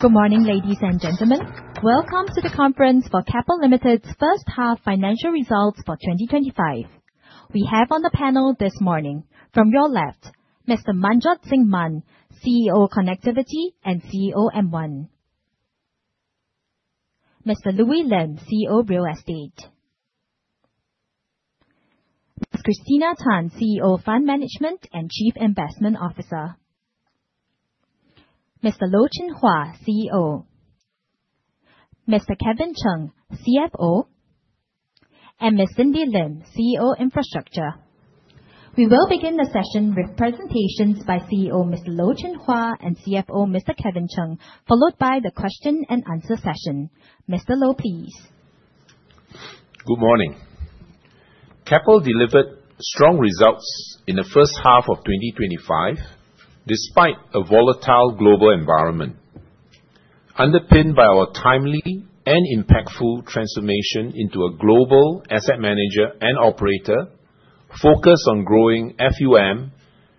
Good morning, ladies and gentlemen. Welcome to the conference for Keppel Ltd.'s first half financial results for 2025. We have on the panel this morning, from your left, Mr. Manjot Singh Mann, CEO Connectivity and CEO M1, Mr. Louis Lim, CEO Real Estate, Ms. Christina Tan, CEO Fund Management and Chief Investment Officer, Mr. Loh Chin Hua, CEO, Mr. Kevin Chng, CFO, and Ms. Cindy Lim, CEO Infrastructure. We will begin the session with presentations by CEO Mr. Loh Chin Hua and CFO Mr. Kevin Chng, followed by the question-and-answer session. Mr. Loh, please. Good morning. Keppel delivered strong results in the first half of 2025, despite a volatile global environment, underpinned by our timely and impactful transformation into a global asset manager and operator focused on growing FUM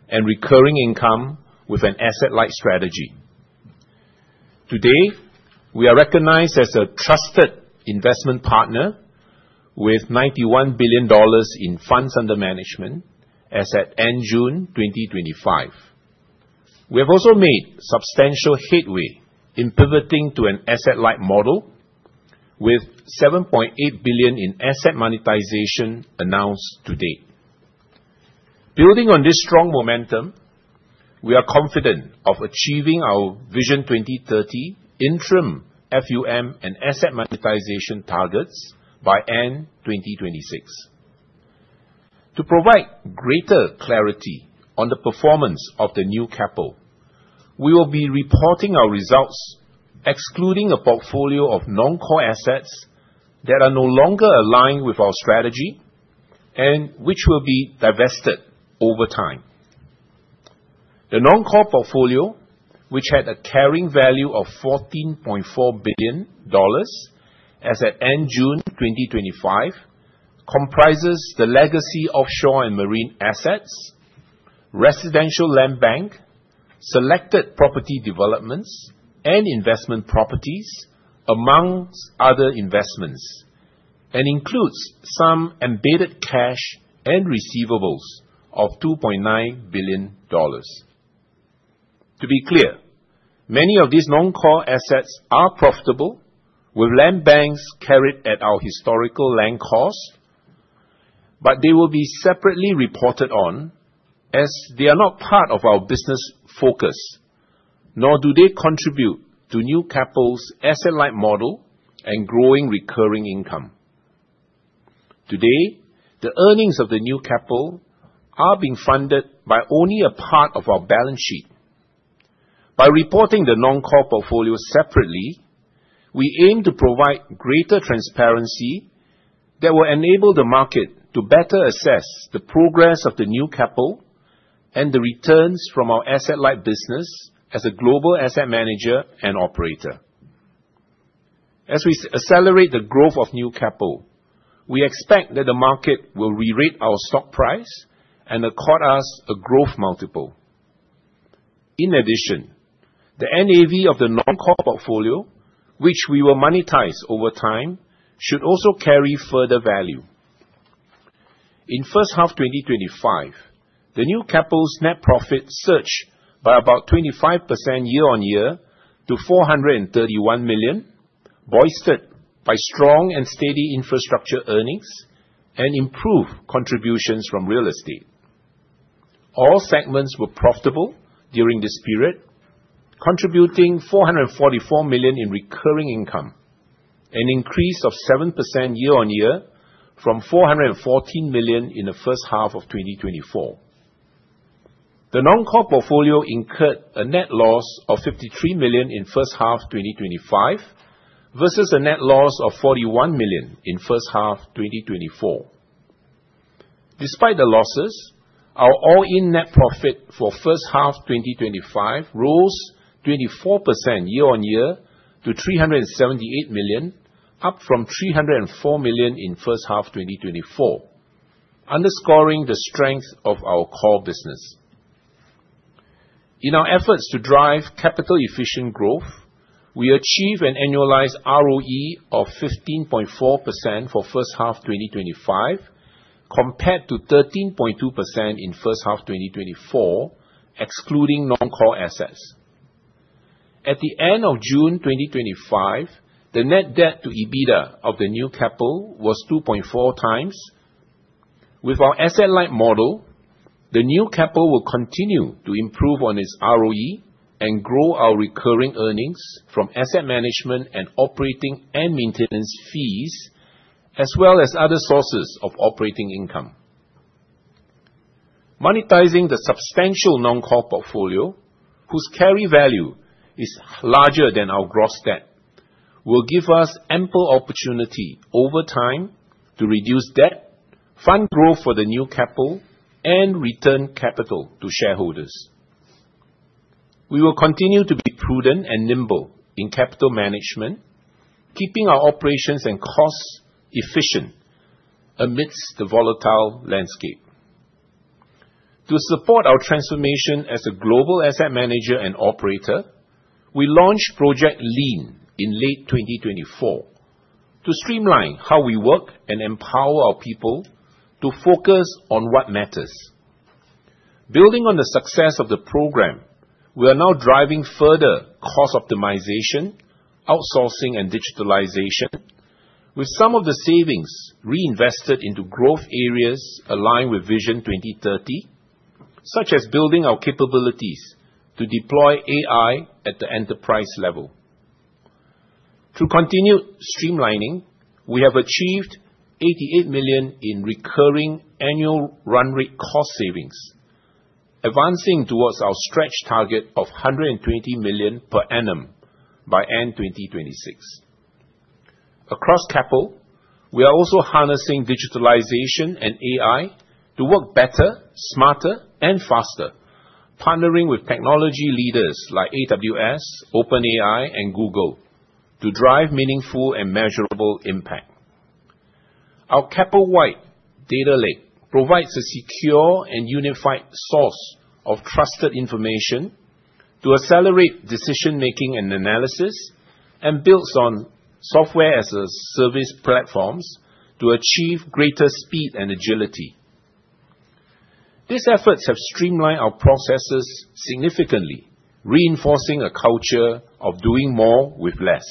and recurring income with an asset-light strategy. Today, we are recognized as a trusted investment partner, with $91 billion in funds under management as at end June 2025. We have also made substantial headway in pivoting to an asset-light model, with $7.8 billion in asset monetization announced to date. Building on this strong momentum, we are confident of achieving our Vision 2030 interim FUM and asset monetization targets by end-2026. To provide greater clarity on the performance of the New Keppel, we will be reporting our results excluding a portfolio of non-core assets that are no longer aligned with our strategy and which will be divested over time. The non-core portfolio, which had a carrying value of $14.4 billion as at end June 2025, comprises the legacy Offshore & Marine assets, residential land bank, selected property developments, and investment properties, among other investments, and includes some embedded cash and receivables of $2.9 billion. To be clear, many of these non-core assets are profitable, with land banks carried at our historical land cost, but they will be separately reported on as they are not part of our business focus, nor do they contribute to New Keppel's asset-light model and growing recurring income. Today, the earnings of the New Keppel are being funded by only a part of our balance sheet. By reporting the non-core portfolio separately, we aim to provide greater transparency that will enable the market to better assess the progress of the New Keppel and the returns from our asset-light business as a global asset manager and operator. As we accelerate the growth of New Keppel, we expect that the market will re-rate our stock price and accord us a growth multiple. In addition, the NAV of the non-core portfolio, which we will monetize over time, should also carry further value. In first half 2025, the New Keppel's net profit surged by about 25% year-on-year to $431 million, boosted by strong and steady infrastructure earnings and improved contributions from real estate. All segments were profitable during this period, contributing $444 million in recurring income, an increase of 7% year-on-year from $414 million in the first half of 2024. The non-core portfolio incurred a net loss of $53 million in first half 2025, versus a net loss of $41 million in first half 2024. Despite the losses, our all-in net profit for first half 2025 rose 24% year-on-year to $378 million, up from $304 million in first half 2024, underscoring the strength of our core business. In our efforts to drive capital-efficient growth, we achieved an annualized ROE of 15.4% for first half 2025, compared to 13.2% in first half 2024, excluding non-core assets. At the end of June 2025, the net debt to EBITDA of the new Keppel was 2.4x. With our asset-light model, the New Keppel will continue to improve on its ROE and grow our recurring earnings from asset management and operating and maintenance fees, as well as other sources of operating income. Monetizing the substantial non-core portfolio, whose carry value is larger than our gross debt, will give us ample opportunity over time to reduce debt, fund growth for the New Keppel, and return capital to shareholders. We will continue to be prudent and nimble in capital management, keeping our operations and costs efficient amidst the volatile landscape. To support our transformation as a global asset manager and operator, we launched Project LEAN in late 2024 to streamline how we work and empower our people to focus on what matters. Building on the success of the program, we are now driving further cost optimization, outsourcing, and digitalization, with some of the savings reinvested into growth areas aligned with Vision 2030, such as building our capabilities to deploy AI at the enterprise level. Through continued streamlining, we have achieved $88 million in recurring annual run-rate cost savings, advancing towards our stretch target of $120 million per annum by end-2026. Across Keppel, we are also harnessing digitalization and AI to work better, smarter, and faster, partnering with technology leaders like AWS, OpenAI, and Google to drive meaningful and measurable impact. Our Keppel-wide data lake provides a secure and unified source of trusted information to accelerate decision-making and analysis, and builds on software-as-a-service platforms to achieve greater speed and agility. These efforts have streamlined our processes significantly, reinforcing a culture of doing more with less.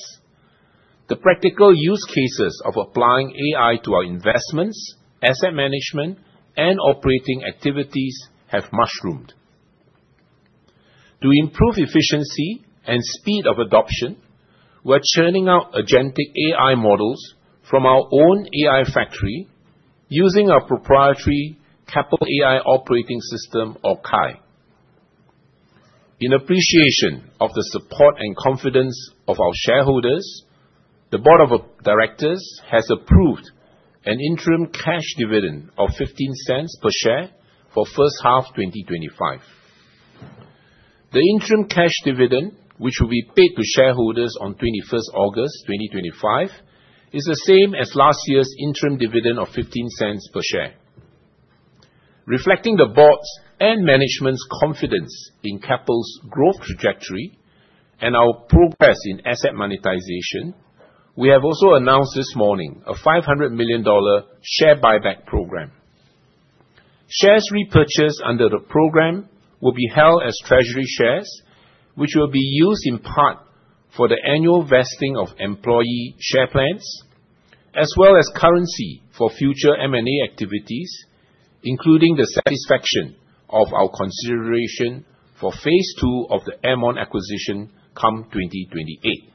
The practical use cases of applying AI to our investments, asset management, and operating activities have mushroomed. To improve efficiency and speed of adoption, we are churning out agentic AI models from our own AI factory using our proprietary Keppel AI operating system, or KAI. In appreciation of the support and confidence of our shareholders, the Board of Directors has approved an interim cash dividend of $0.15 per share for first half 2025. The interim cash dividend, which will be paid to shareholders on 21 August 2025, is the same as last year's interim dividend of $0.15 per share. Reflecting the Board's and management's confidence in Keppel's growth trajectory and our progress in asset monetization, we have also announced this morning a $500 million share buyback program. Shares repurchased under the program will be held as treasury shares, which will be used in part for the annual vesting of employee share plans, as well as currency for future M&A activities, including the satisfaction of our consideration for phase two of the M1 acquisition come 2028.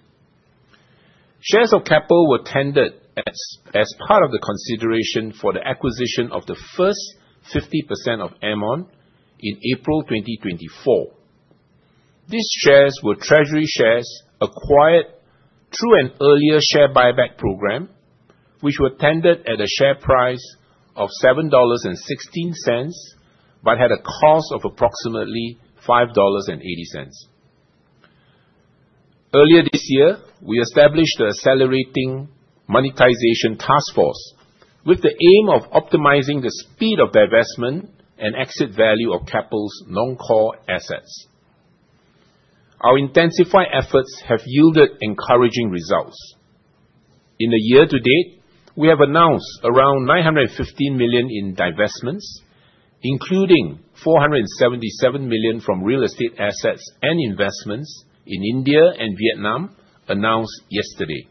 Shares of Keppel were tendered as part of the consideration for the acquisition of the first 50% of M1 in April 2024. These shares were treasury shares acquired through an earlier share buyback program, which were tendered at a share price of $7.16, but had a cost of approximately $5.80. Earlier this year, we established the Accelerating Monetization Task Force with the aim of optimizing the speed of divestment and exit value of Keppel's non-core assets. Our intensified efforts have yielded encouraging results. In the year to date, we have announced around $915 million in divestments, including $477 million from real estate assets and investments in India and Vietnam announced yesterday.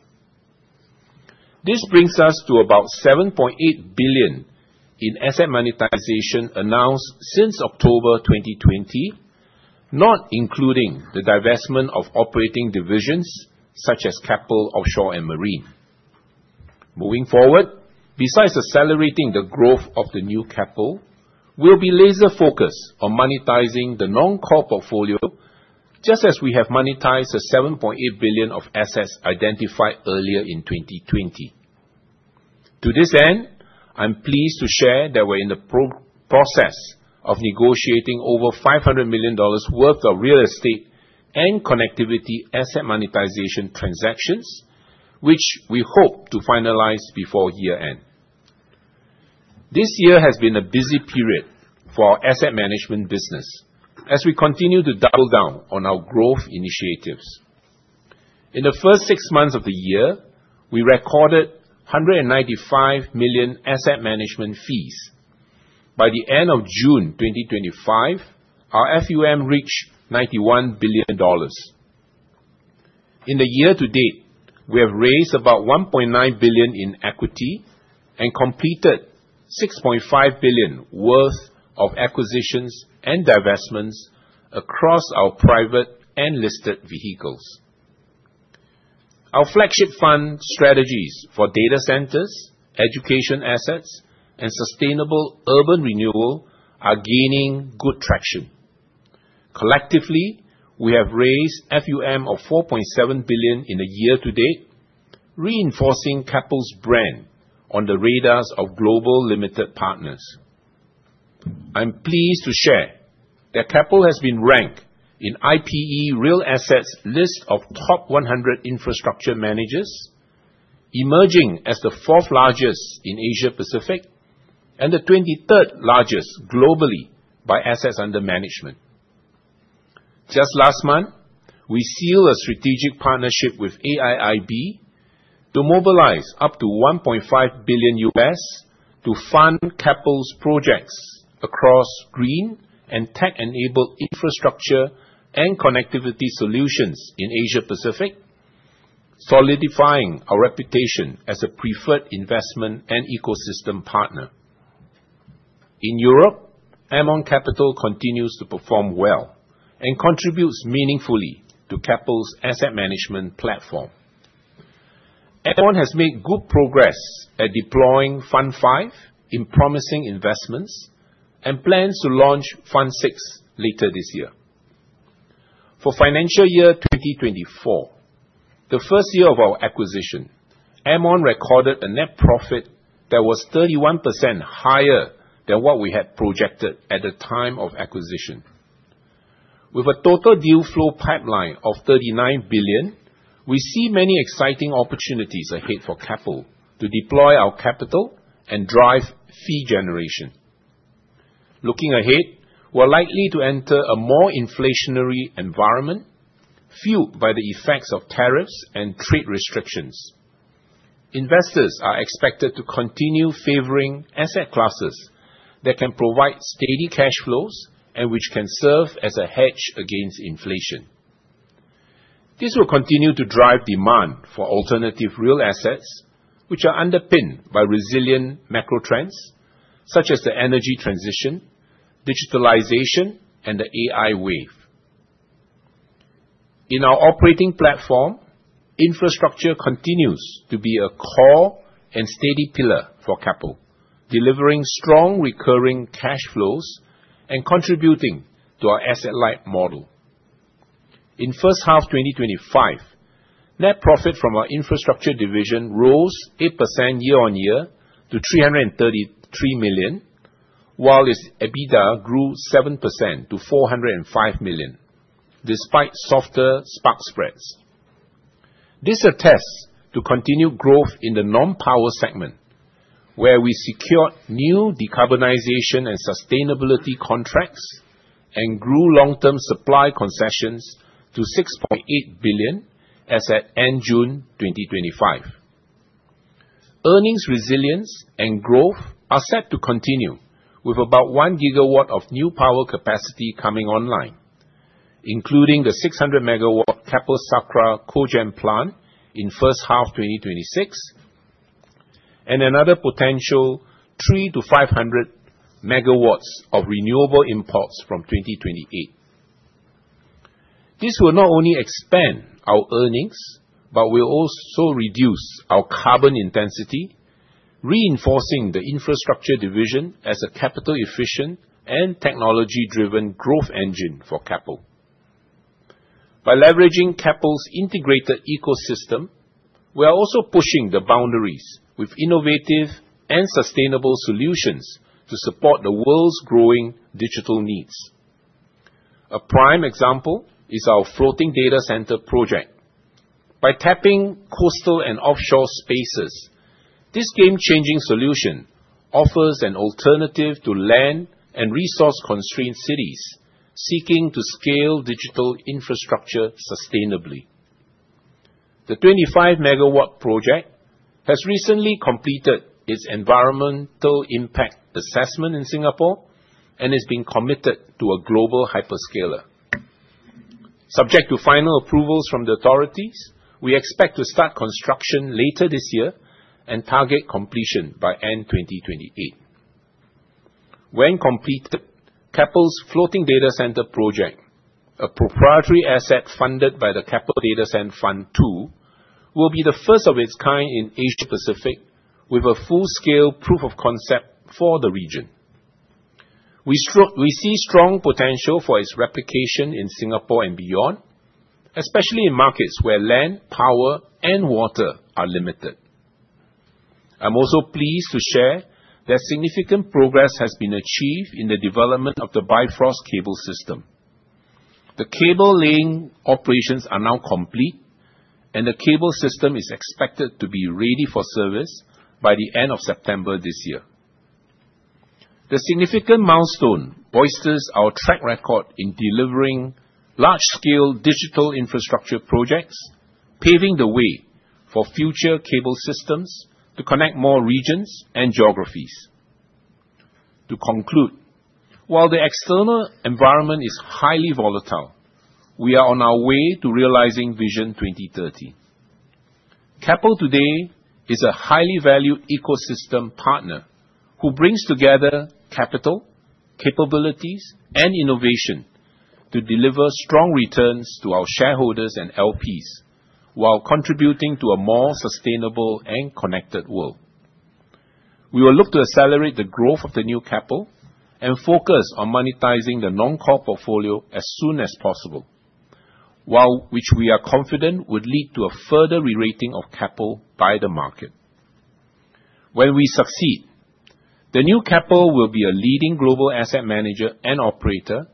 This brings us to about $7.8 billion in asset monetization announced since October 2020, not including the divestment of operating divisions such as Keppel Offshore & Marine. Moving forward, besides accelerating the growth of the new Keppel, we will be laser-focused on monetizing the non-core portfolio, just as we have monetized the $7.8 billion of assets identified earlier in 2020. To this end, I'm pleased to share that we're in the process of negotiating over $500 million worth of real estate and connectivity asset monetization transactions, which we hope to finalize before year-end. This year has been a busy period for our asset management business as we continue to double down on our growth initiatives. In the first six months of the year, we recorded $195 million asset management fees. By the end of June 2025, our FUM reached $91 billion. In the year to date, we have raised about $1.9 billion in equity and completed $6.5 billion worth of acquisitions and divestments across our private and listed vehicles. Our flagship fund strategies for data centers, education assets, and sustainable urban renewal are gaining good traction. Collectively, we have raised FUM of $4.7 billion in the year to date, reinforcing Keppel's brand on the radars of global limited partners. I'm pleased to share that Keppel has been ranked in IPE Real Assets' list of top 100 infrastructure managers, emerging as the fourth largest in Asia-Pacific and the 23rd largest globally by assets under management. Just last month, we sealed a strategic partnership with AIIB to mobilize up to $1.5 billion US to fund Keppel's projects across green and tech-enabled infrastructure and connectivity solutions in Asia-Pacific, solidifying our reputation as a preferred investment and ecosystem partner. In Europe, M1 Capital continues to perform well and contributes meaningfully to Keppel's asset management platform. M1 has made good progress at deploying Fund V in promising investments and plans to launch Fund VI later this year. For financial year 2024, the first year of our acquisition, M1 recorded a net profit that was 31% higher than what we had projected at the time of acquisition. With a total deal flow pipeline of $39 billion, we see many exciting opportunities ahead for Keppel to deploy our capital and drive fee generation. Looking ahead, we're likely to enter a more inflationary environment, fueled by the effects of tariffs and trade restrictions. Investors are expected to continue favoring asset classes that can provide steady cash flows and which can serve as a hedge against inflation. This will continue to drive demand for alternative real assets, which are underpinned by resilient macro trends such as the energy transition, digitalization, and the AI wave. In our operating platform, infrastructure continues to be a core and steady pillar for Keppel, delivering strong recurring cash flows and contributing to our asset-light model. In first half 2025, net profit from our infrastructure division rose 8% year-on-year to $333 million, while its EBITDA grew 7% to $405 million, despite softer SPAC spreads. This attests to continued growth in the non-power segment, where we secured new decarbonization and sustainability contracts and grew long-term supply concessions to $6.8 billion as at end-June 2025. Earnings resilience and growth are set to continue, with about 1 GW of new power capacity coming online, including the 600 MW Keppel Sakra Cogen plant in first half 2026. Another potential 300-500 MW of renewable imports from 2028. This will not only expand our earnings but will also reduce our carbon intensity, reinforcing the infrastructure division as a capital-efficient and technology-driven growth engine for Keppel. By leveraging Keppel's integrated ecosystem, we are also pushing the boundaries with innovative and sustainable solutions to support the world's growing digital needs. A prime example is our floating data center project. By tapping coastal and offshore spaces, this game-changing solution offers an alternative to land and resource-constrained cities seeking to scale digital infrastructure sustainably. The 25 MW project has recently completed its environmental impact assessment in Singapore and has been committed to a global hyperscaler. Subject to final approvals from the authorities, we expect to start construction later this year and target completion by end-2028. When completed, Keppel's Floating Data Centre project, a proprietary asset funded by the Keppel Data Centre Fund II, will be the first of its kind in Asia-Pacific with a full-scale proof of concept for the region. We see strong potential for its replication in Singapore and beyond, especially in markets where land, power, and water are limited. I'm also pleased to share that significant progress has been achieved in the development of the Bifrost Cable System. The cable laying operations are now complete, and the cable system is expected to be ready for service by the end of September this year. The significant milestone boosts our track record in delivering large-scale digital infrastructure projects, paving the way for future cable systems to connect more regions and geographies. To conclude, while the external environment is highly volatile, we are on our way to realizing Vision 2030. Keppel today is a highly valued ecosystem partner who brings together capital, capabilities, and innovation to deliver strong returns to our shareholders and LPs while contributing to a more sustainable and connected world. We will look to accelerate the growth of the new Keppel and focus on monetizing the non-core portfolio as soon as possible, which we are confident would lead to a further rerating of Keppel by the market. When we succeed, the New Keppel will be a leading global asset manager and operator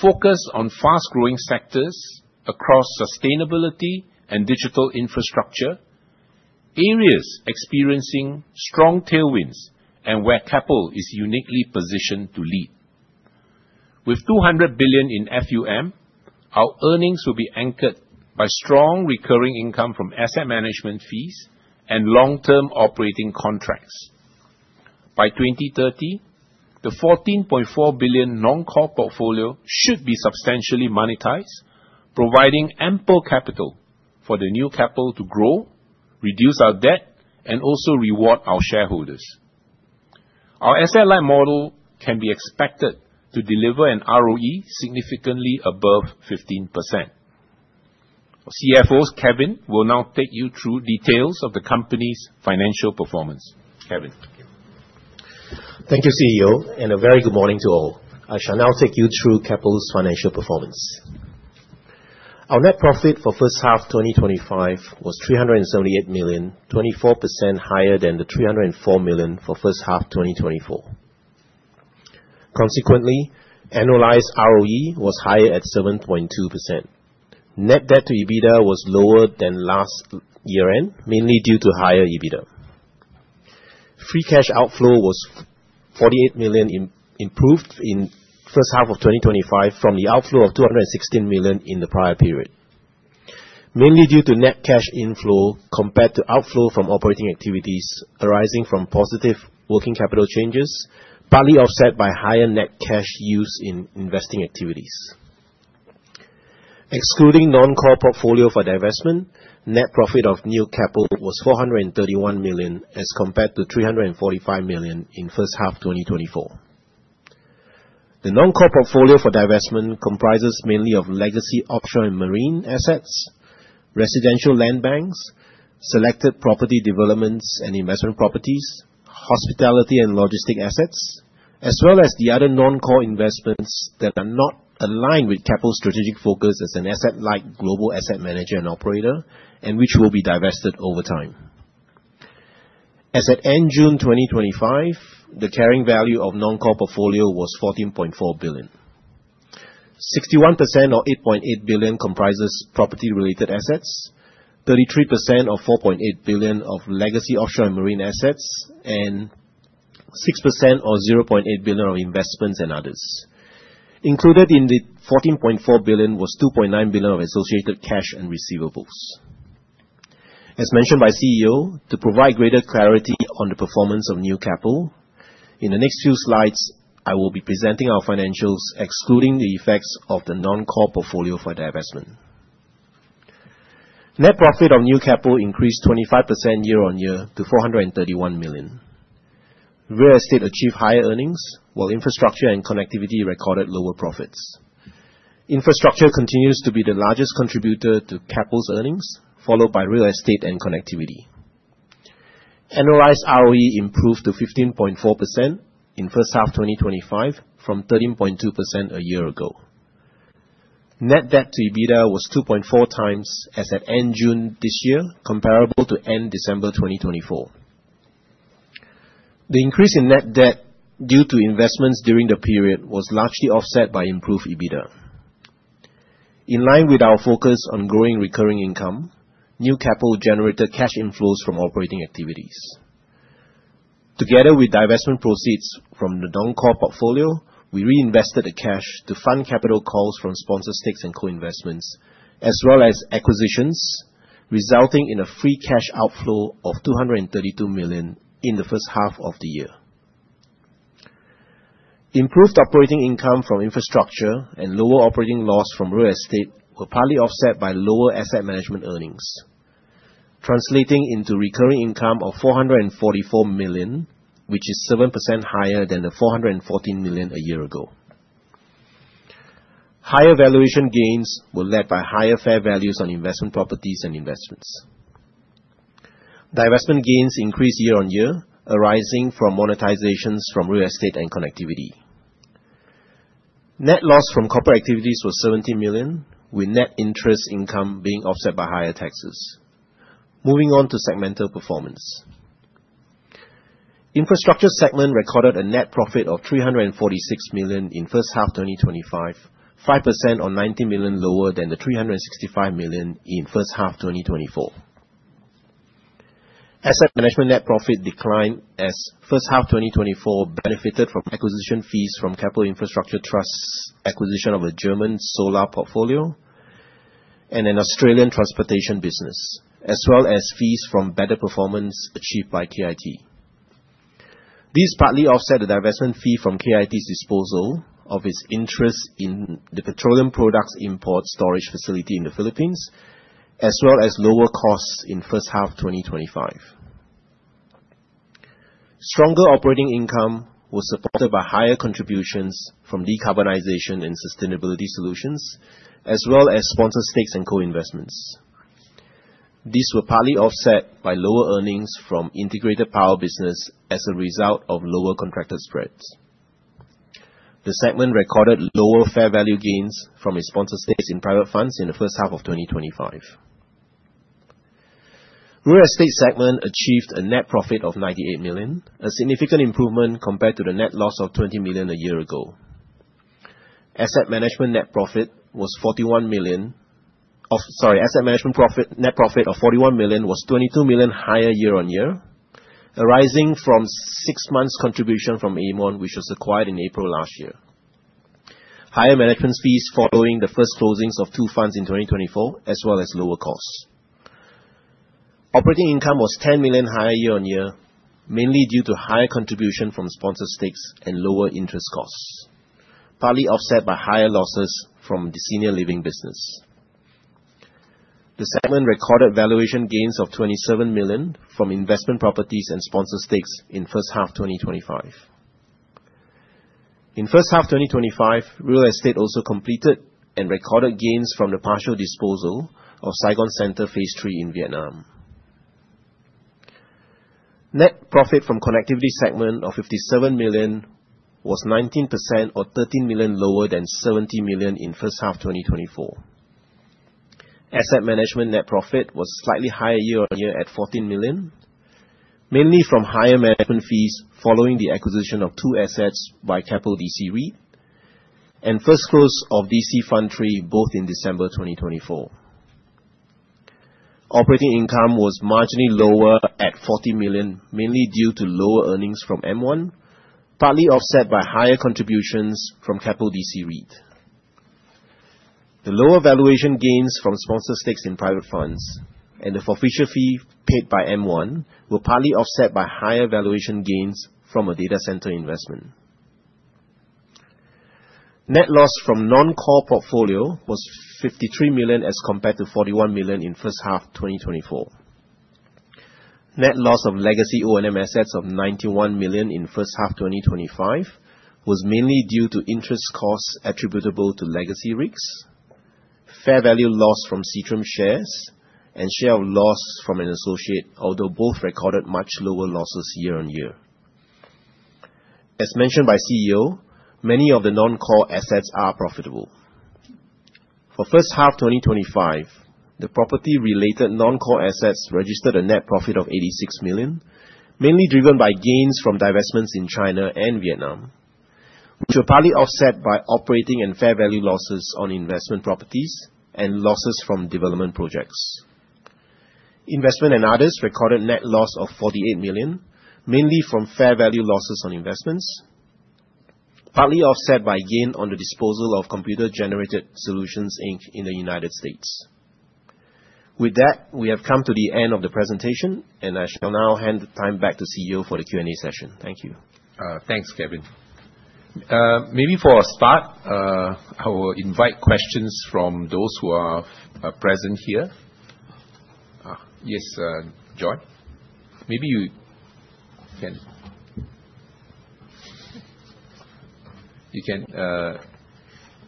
focused on fast-growing sectors across sustainability and digital infrastructure, areas experiencing strong tailwinds and where Keppel is uniquely positioned to lead. With $200 billion in FUM, our earnings will be anchored by strong recurring income from asset management fees and long-term operating contracts. By 2030, the $14.4 billion non-core portfolio should be substantially monetized, providing ample capital for the new Keppel to grow, reduce our debt, and also reward our shareholders. Our asset-light model can be expected to deliver an ROE significantly above 15%. CFO Kevin will now take you through details of the company's financial performance. Thank you, CEO, and a very good morning to all. I shall now take you through Keppel's financial performance. Our net profit for first half 2025 was $378 million, 24% higher than the $304 million for first half 2024. Consequently, annualized ROE was higher at 7.2%. Net debt to EBITDA was lower than last year-end, mainly due to higher EBITDA. Free cash outflow was $48 million, improved in first half of 2025 from the outflow of $216 million in the prior period, mainly due to net cash inflow compared to outflow from operating activities arising from positive working capital changes, partly offset by higher net cash use in investing activities. Excluding non-core portfolio for divestment, net profit of new Keppel was $431 million as compared to $345 million in first half 2024. The non-core portfolio for divestment comprises mainly legacy Offshore & Marine assets, residential land banks, selected property developments and investment properties, hospitality and logistic assets, as well as other non-core investments that are not aligned with Keppel's strategic focus as an asset-light global asset manager and operator, and which will be divested over time. As at end June 2025, the carrying value of non-core portfolio was $14.4 billion. 61% or $8.8 billion comprises property-related assets, 33% or $4.8 billion of legacy Offshore & Marine assets, and 6% or $0.8 billion of investments and others. Included in the $14.4 billion was $2.9 billion of associated cash and receivables. As mentioned by CEO, to provide greater clarity on the performance of New Keppel, in the next few slides, I will be presenting our financials excluding the effects of the non-core portfolio for divestment. Net profit of New Keppel increased 25% year-on-year to $431 million. Real estate achieved higher earnings, while infrastructure and connectivity recorded lower profits. Infrastructure continues to be the largest contributor to Keppel's earnings, followed by Real Estate and Connectivity. Annualized ROE improved to 15.4% in first half 2025 from 13.2% a year ago. Net debt to EBITDA was 2.4x as at end June this year, comparable to end December 2024. The increase in net debt due to investments during the period was largely offset by improved EBITDA. In line with our focus on growing recurring income, new Keppel generated cash inflows from operating activities. Together with divestment proceeds from the non-core portfolio, we reinvested the cash to fund capital calls from sponsor stakes and co-investments, as well as acquisitions, resulting in a free cash outflow of $232 million in the first half of the year. Improved operating income from infrastructure and lower operating loss from real estate were partly offset by lower asset management earnings, translating into recurring income of $444 million, which is 7% higher than the $414 million a year ago. Higher valuation gains were led by higher fair values on investment properties and investments. Divestment gains increased year-on-year, arising from monetizations from real estate and connectivity. Net loss from corporate activities was $17 million, with net interest income being offset by higher taxes. Moving on to segmental performance, Infrastructure segment recorded a net profit of $346 million in first half 2025, 5% or $19 million lower than the $365 million in first half 2024. Asset management net profit declined as first half 2024 benefited from acquisition fees from Keppel Infrastructure Trust's acquisition of a German solar portfolio and an Australian transportation business, as well as fees from better performance achieved by KIT. These partly offset the divestment fee from KIT's disposal of its interest in the petroleum products import storage facility in the Philippines, as well as lower costs in first half 2025. Stronger operating income was supported by higher contributions from decarbonization and sustainability solutions, as well as sponsor stakes and co-investments. These were partly offset by lower earnings from integrated power business as a result of lower contractor spreads. The segment recorded lower fair value gains from its sponsor stakes in private funds in the first half of 2025. Real Estate segment achieved a net profit of $98 million, a significant improvement compared to the net loss of $20 million a year ago. Asset management net profit was $41 million. Asset management net profit of $41 million was $22 million higher year-on-year, arising from six months' contribution from Aermont, which was acquired in April last year, higher management fees following the first closings of two funds in 2024, as well as lower costs. Operating income was $10 million higher year-on-year, mainly due to higher contribution from sponsor stakes and lower interest costs, partly offset by higher losses from the senior living business. The segment recorded valuation gains of $27 million from investment properties and sponsor stakes in first half 2025. In first half 2025, real estate also completed and recorded gains from the partial disposal of Saigon Centre Phase 3 in Vietnam. Net profit from connectivity segment of $57 million was 19% or $13 million lower than $70 million in first half 2024. Asset management net profit was slightly higher year-on-year at $14 million, mainly from higher management fees following the acquisition of two assets by Keppel DC REIT and first close of DC Fund III both in December 2024. Operating income was marginally lower at $40 million, mainly due to lower earnings from M1, partly offset by higher contributions from Keppel DC REIT. The lower valuation gains from sponsor stakes in private funds and the forfeiture fee paid by M1 were partly offset by higher valuation gains from a data center investment. Net loss from non-core portfolio was $53 million as compared to $41 million in first half 2024. Net loss of legacy O&M assets of $91 million in first half 2025 was mainly due to interest costs attributable to legacy REITs, fair value loss from Seatrium shares and share of loss from an associate, although both recorded much lower losses year-on-year. As mentioned by CEO, many of the non-core assets are profitable. For first half 2025, the property-related non-core assets registered a net profit of $86 million, mainly driven by gains from divestments in China and Vietnam, which were partly offset by operating and fair value losses on investment properties and losses from development projects. Investment and others recorded net loss of $48 million, mainly from fair value losses on investments, partly offset by gain on the disposal of computer-generated solutions in the United States. With that, we have come to the end of the presentation, and I shall now hand the time back to CEO for the Q&A session. Thank you. Thanks, Kevin. Maybe for a start, I will invite questions from those who are present here. Yes, Joy. Maybe you can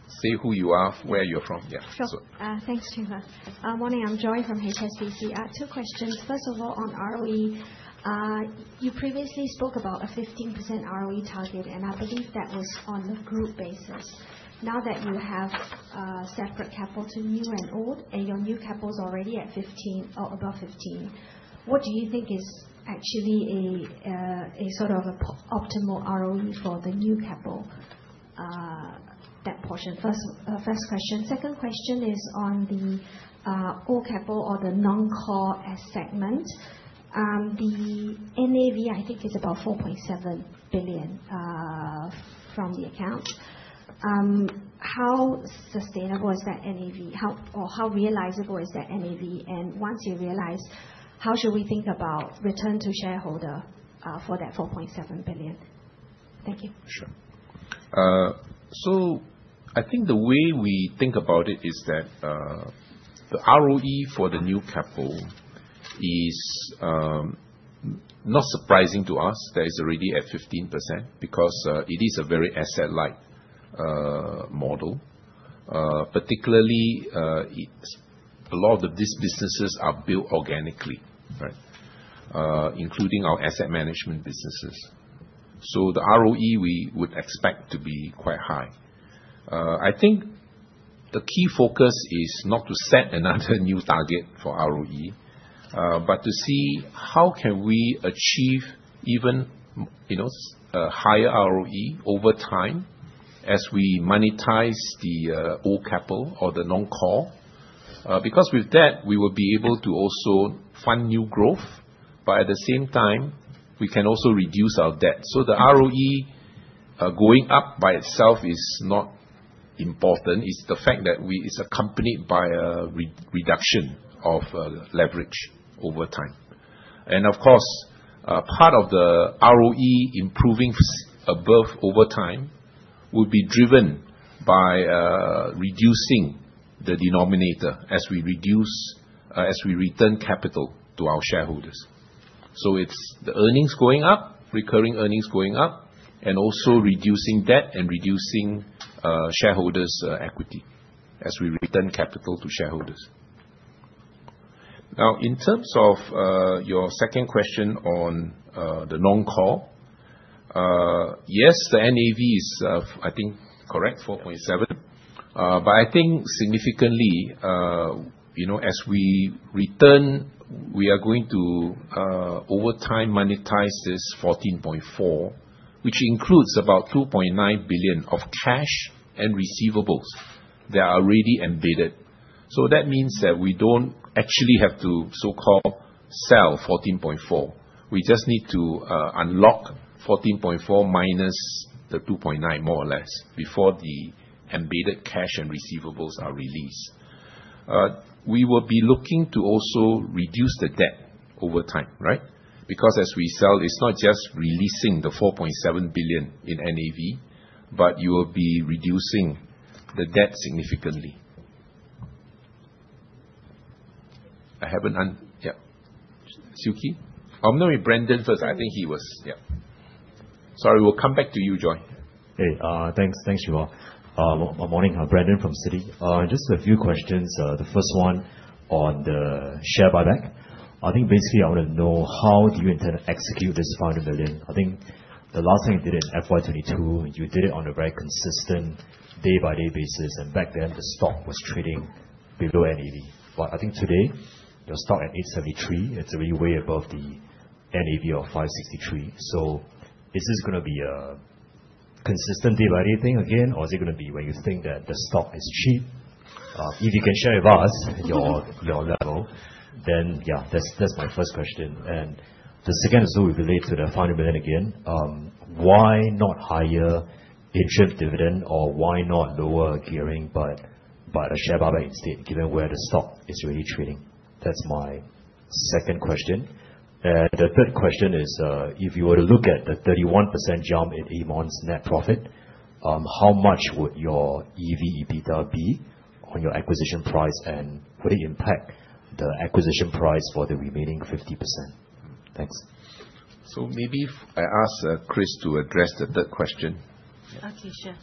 say who you are, where you're from. Yeah. Sure. Thanks, Chin Hua. Morning. I'm Joy from HSBC. Two questions. First of all, on ROE. You previously spoke about a 15% ROE target, and I believe that was on a group basis. Now that you have separated Keppel to new and old, and your New Keppel is already at 15% or above 15%, what do you think is actually a sort of optimal ROE for the New Keppel, that portion? First question. Second question is on the old Keppel or the non-core segment. The NAV, I think, is about $4.7 billion from the account. How sustainable is that NAV, or how realizable is that NAV? And once you realize, how should we think about return to shareholder for that $4.7 billion? Thank you. Sure. I think the way we think about it is that the ROE for the New Keppel is not surprising to us that it is already at 15% because it is a very asset-light model. Particularly, a lot of these businesses are built organically, right, including our asset management businesses. The ROE we would expect to be quite high. I think the key focus is not to set another new target for ROE, but to see how we can achieve even higher ROE over time as we monetize the old Keppel or the non-core. With that, we will be able to also fund new growth, but at the same time, we can also reduce our debt. The ROE going up by itself is not important. It's the fact that it's accompanied by a reduction of leverage over time. Of course, part of the ROE improving over time would be driven by reducing the denominator as we return capital to our shareholders. It's the earnings going up, recurring earnings going up, and also reducing debt and reducing shareholders' equity as we return capital to shareholders. Now, in terms of your second question on the non-core, yes, the NAV is, I think, correct, $4.7 billion. I think significantly, as we return, we are going to over time monetize this $14.4 billion, which includes about $2.9 billion of cash and receivables that are already embedded. That means that we don't actually have to so-called sell $14.4 billion. We just need to unlock $14.4 billion minus the $2.9 billion, more or less, before the embedded cash and receivables are released. We will be looking to also reduce the debt over time, right? Because as we sell, it's not just releasing the $4.7 billion in NAV, but you will be reducing the debt significantly. Suki? I'm going to bring Brandon first. I think he was—yeah. Sorry, we'll come back to you, Joy. Hey, thanks, Chin Hua. Morning. Brandon from Citi. Just a few questions. The first one on the share buyback. I think basically I want to know how do you intend to execute this $500 million? I think the last time you did it in FY 2022, you did it on a very consistent day-by-day basis. Back then, the stock was trading below NAV. I think today, your stock at $8.73, it's already way above the NAV of $5.63. Is this going to be a consistent day-by-day thing again, or is it going to be when you think that the stock is cheap? If you can share with us your level, then that's my first question. The second is also related to the $500 million again. Why not higher interim dividend or why not lower gearing but a share buyback instead, given where the stock is already trading? That's my second question. The third question is, if you were to look at the 31% jump in M1's net profit, how much would your EV/EBITDA be on your acquisition price, and would it impact the acquisition price for the remaining 50%? Thanks. Maybe I ask Christina to address the third question. Okay, sure.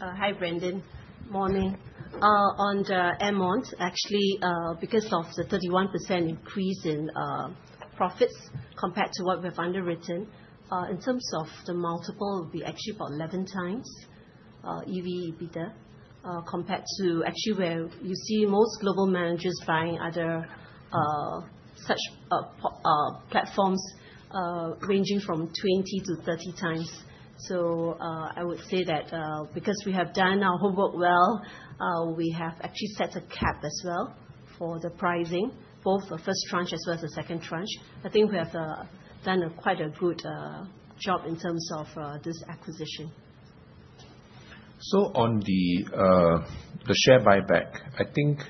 Hi, Brandon. Morning. On the M1, actually, because of the 31% increase in profits compared to what we've underwritten, in terms of the multiple, it would be actually about 11 times EV/EBITDA compared to actually where you see most global managers buying other such platforms, ranging from 20-30x. I would say that because we have done our homework well, we have actually set a cap as well for the pricing, both the first tranche as well as the second tranche. I think we have done quite a good job in terms of this acquisition. On the share buyback, I think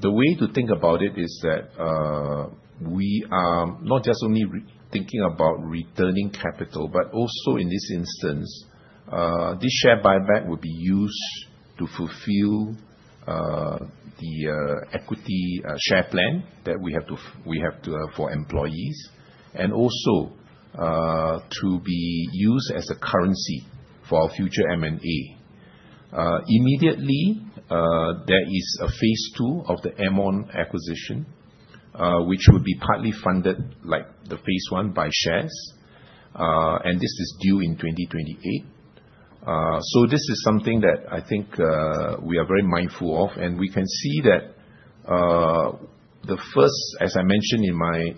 the way to think about it is that we are not just only thinking about returning capital, but also in this instance, this share buyback will be used to fulfill the equity share plan that we have for employees, and also to be used as a currency for our future M&A. Immediately, there is a phase two of the M1 acquisition. Which will be partly funded like the phase one by shares. This is due in 2028. This is something that I think we are very mindful of. We can see that the first, as I mentioned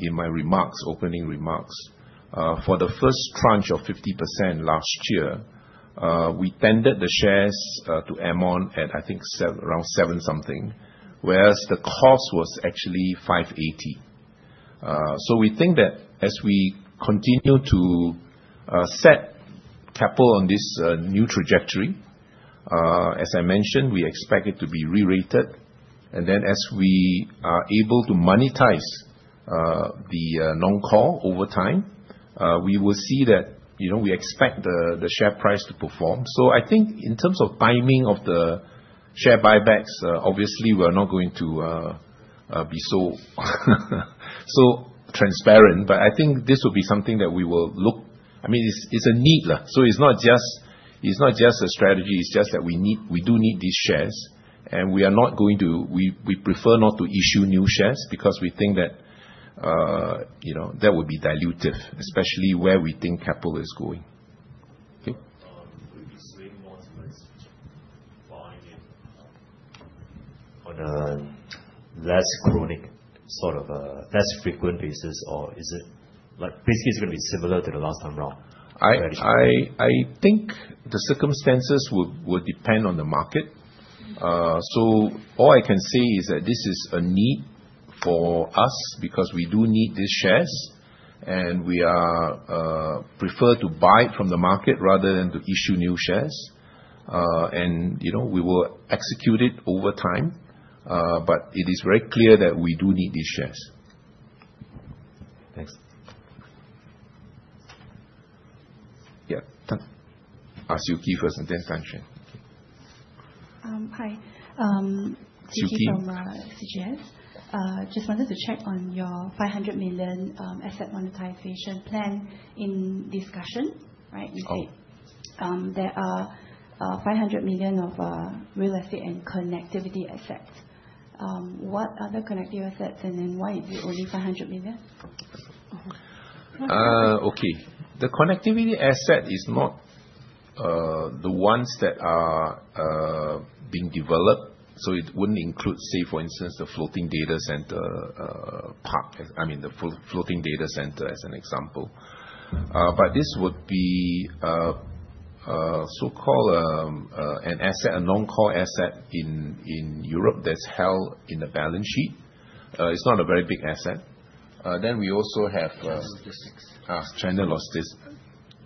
in my opening remarks, for the first tranche of 50% last year, we tendered the shares to M1 at, I think, around seven something, whereas the cost was actually $580. We think that as we continue to set Keppel on this new trajectory, as I mentioned, we expect it to be re-rated. As we are able to monetize the non-core over time, we will see that we expect the share price to perform. I think in terms of timing of the share buybacks, obviously, we are not going to be so transparent. I think this will be something that we will look at. I mean, it's a need. It's not just a strategy. It's just that we do need these shares. We are not going to—we prefer not to issue new shares because we think that would be dilutive, especially where we think Keppel is going. Okay. Will you be swinging more towards buying in on a less chronic, sort of less frequent basis, or is it basically going to be similar to the last time round? I think the circumstances will depend on the market. All I can say is that this is a need for us because we do need these shares, and we are preferred to buy it from the market rather than to issue new shares. We will execute it over time, but it is very clear that we do need these shares. Thanks. Yeah. Ask Suki first. Thanks, Chang. Hi. Suki from CGS. Just wanted to check on your $500 million asset monetization plan in discussion, right? You said there are $500 million of Real estate and connectivity assets. What are the Cconnectivity assets, and then why is it only $500 million? Okay. The Connectivity asset is not the ones that are being developed. It wouldn't include, say, for instance, the Floating Data Centre. I mean, the Floating Data Centre as an example. This would be a so-called non-core asset in Europe that's held in the balance sheet. It's not a very big asset. Then we also have China logistics. China logistics.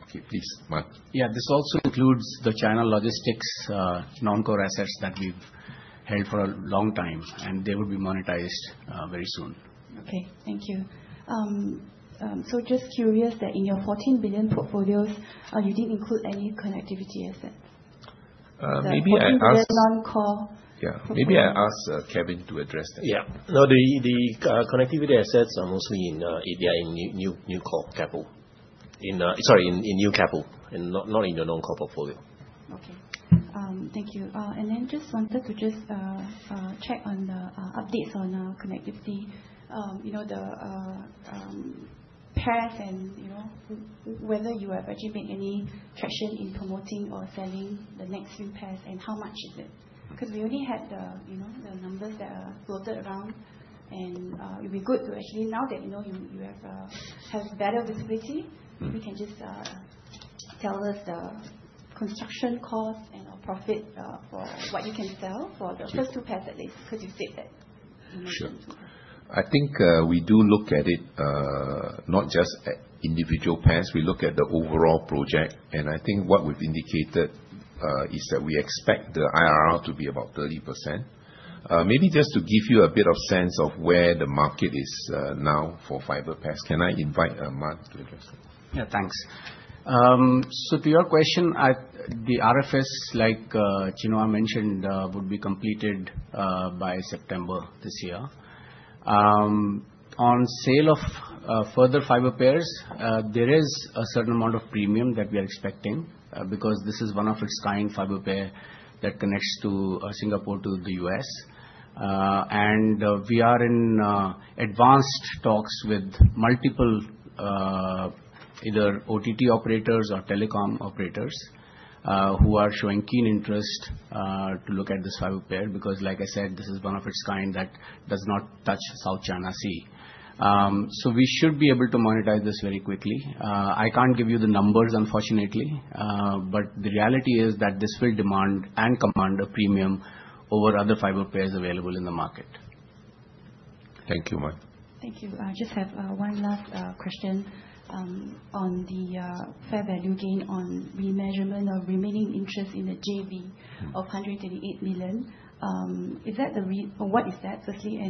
Okay, please, Manjot. Yeah, this also includes the China logistics non-core assets that we've held for a long time, and they will be monetized very soon. Okay. Thank you. Just curious that in your $14 billion portfolios, you didn't include any Connectivity assets. Maybe I asked—or in the non-core? Yeah. Maybe I ask Kevin to address that. Yeah. No, the connectivity assets are mostly in—they are in new core Keppel. Sorry, in New Keppel, and not in the non-core portfolio. Okay. Thank you. I just wanted to check on the updates on Connectivity, the pairs, and whether you have achieved any traction in promoting or selling the next few pairs, and how much is it. Because we only had the numbers that are floated around, it would be good to actually, now that you have better visibility, you can just tell us the construction cost and/or profit for what you can sell for the first two pairs at least, because you said that. Sure. I think we do look at it not just at individual pairs. We look at the overall project. I think what we've indicated is that we expect the IRR to be about 30%. Maybe just to give you a bit of sense of where the market is now for fiber pairs, can I invite Manjot to address that? Yeah, thanks. To your question, the RFS, like Chin Hua mentioned, would be completed by September this year. On sale of further fiber pairs, there is a certain amount of premium that we are expecting because this is one of its kind fiber pairs that connects Singapore to the U.S. We are in advanced talks with multiple either OTT operators or telecom operators who are showing keen interest to look at this fiber pair because, like I said, this is one of its kind that does not touch South China Sea. We should be able to monetize this very quickly. I can't give you the numbers, unfortunately, but the reality is that this will demand and command a premium over other fiber pairs available in the market. Thank you, Manjot. Thank you. I just have one last question. On the fair value gain on remeasurement of remaining interest in the JV of $138 million. What is that, firstly? I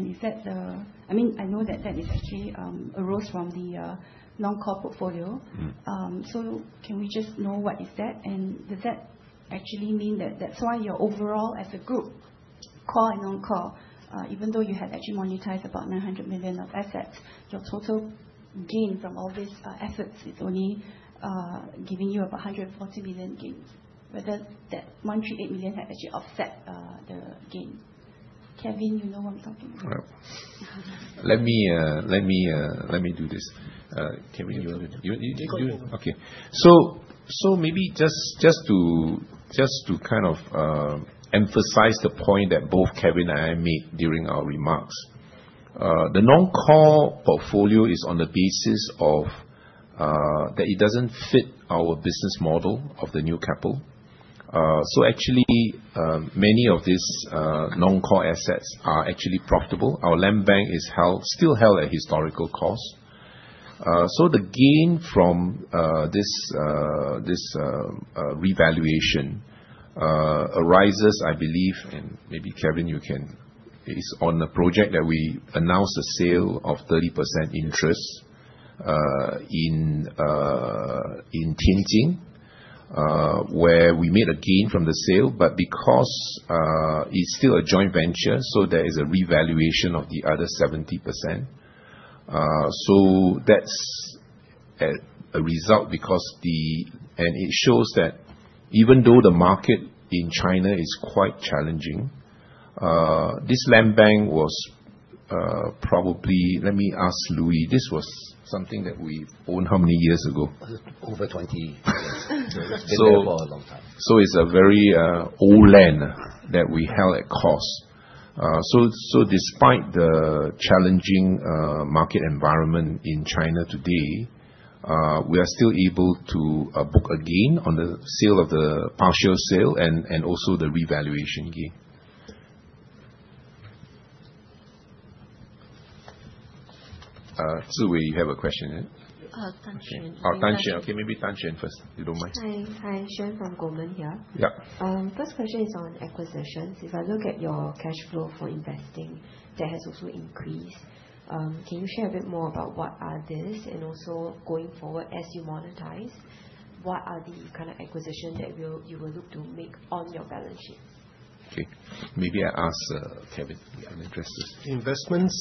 know that that actually arose from the non-core portfolio. Can we just know what is that? Does that actually mean that that's why your overall, as a group, core and non-core, even though you had actually monetized about $900 million of assets, your total gain from all these efforts is only giving you about $140 million gain? Whether that $138 million has actually offset the gain. Kevin, you know what I'm talking about. Let me do this. Kevin, you want to—okay. Maybe just to emphasize the point that both Kevin and I made during our remarks. The non-core portfolio is on the basis of that it doesn't fit our business model of the New Keppel. Actually, many of these non-core assets are profitable. Our land bank is still held at historical cost. The gain from this revaluation arises, I believe, and maybe Kevin, you can—is on the project that we announced a sale of 30% interest in Tianjin, where we made a gain from the sale. Because it's still a joint venture, there is a revaluation of the other 70%. That's a result because it shows that even though the market in China is quite challenging, this land bank was—let me ask Louis. This was something that we owned how many years ago? Over 20 years. It's been there for a long time. It's a very old land that we held at cost. Despite the challenging market environment in China today, we are still able to book a gain on the partial sale and also the revaluation gain. You have a question, right? Tan Chien. Oh, Tan Chien. Maybe Tan Chien first, if you don't mind. Hi. Hi, Chien from Goldman here. First question is on acquisitions. If I look at your cash flow for investing, that has also increased. Can you share a bit more about what are these? Also, going forward, as you monetize, what are the kind of acquisitions that you will look to make on your balance sheet? Maybe I ask Kevin to address this. Investments?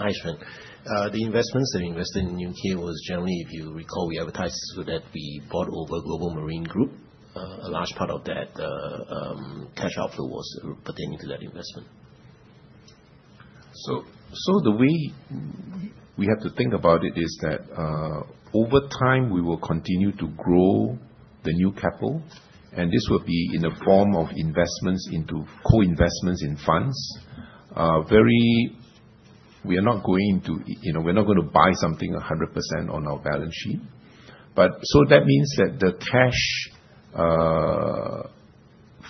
Hi, Chien. The investments that we invested in the U.K. was generally, if you recall, we advertised that we bought over Global Marine Group. A large part of that cash outflow was pertaining to that investment. The way we have to think about it is that over time, we will continue to grow the New Keppel. This will be in the form of investments into co-investments in funds. We are not going to buy something 100% on our balance sheet. That means that the cash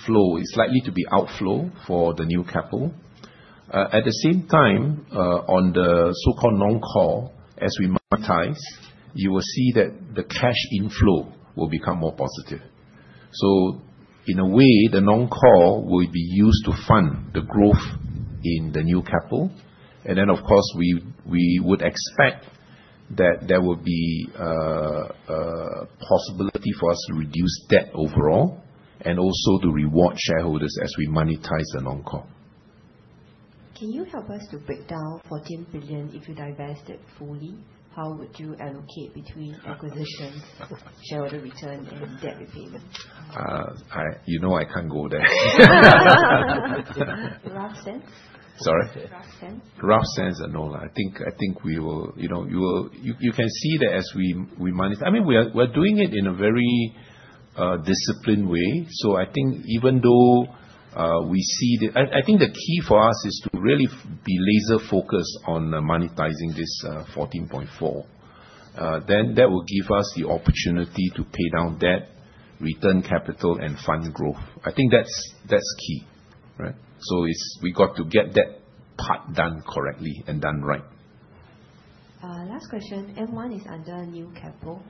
flow is likely to be outflow for the New Keppel. At the same time, on the so-called non-core, as we monetize, you will see that the cash inflow will become more positive. In a way, the non-core will be used to fund the growth in the New Keppel. Of course, we would expect that there will be a possibility for us to reduce debt overall and also to reward shareholders as we monetize the non-core. Can you help us to break down $14 billion? If you divest it fully, how would you allocate between acquisitions, shareholder return, and debt repayment? You know I can't go there. Rough sense? Sorry? Rough sense? Rough sense, no. I think we will—you can see that as we monetize. I mean, we're doing it in a very disciplined way. I think even though we see the—I think the key for us is to really be laser-focused on monetizing this $14.4 billion. That will give us the opportunity to pay down debt, return capital, and fund growth. I think that's key, right? We got to get that part done correctly and done right. Last question. M1 is under New Keppel.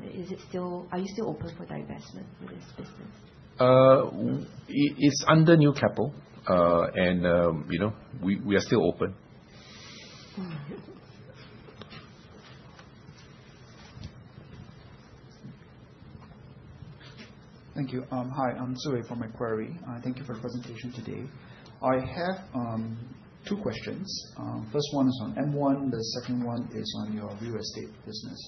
Are you still open for divestment with this business? It's under new Keppel. We are still open. Thank you. Hi. I'm Zuyi from Macquarie. Thank you for the presentation today. I have two questions. First one is on M1. The second one is on your real estate business.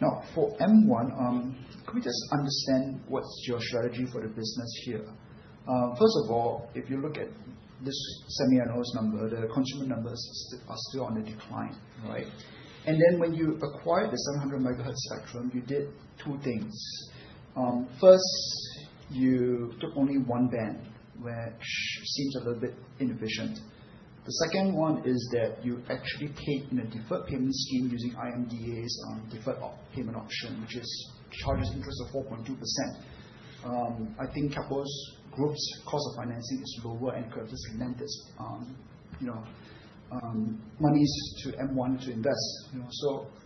Now, for M1, can we just understand what's your strategy for the business here? First of all, if you look at this semi-annual number, the consumer numbers are still on the decline, right? When you acquired the 700 MHz spectrum, you did two things. First, you took only one band, which seems a little bit inefficient. The second one is that you actually take in a deferred payment scheme using IMDA's deferred payment option, which charges interest of 4.2%. I think Keppel group's cost of financing is lower and could have just lent its monies to M1 to invest.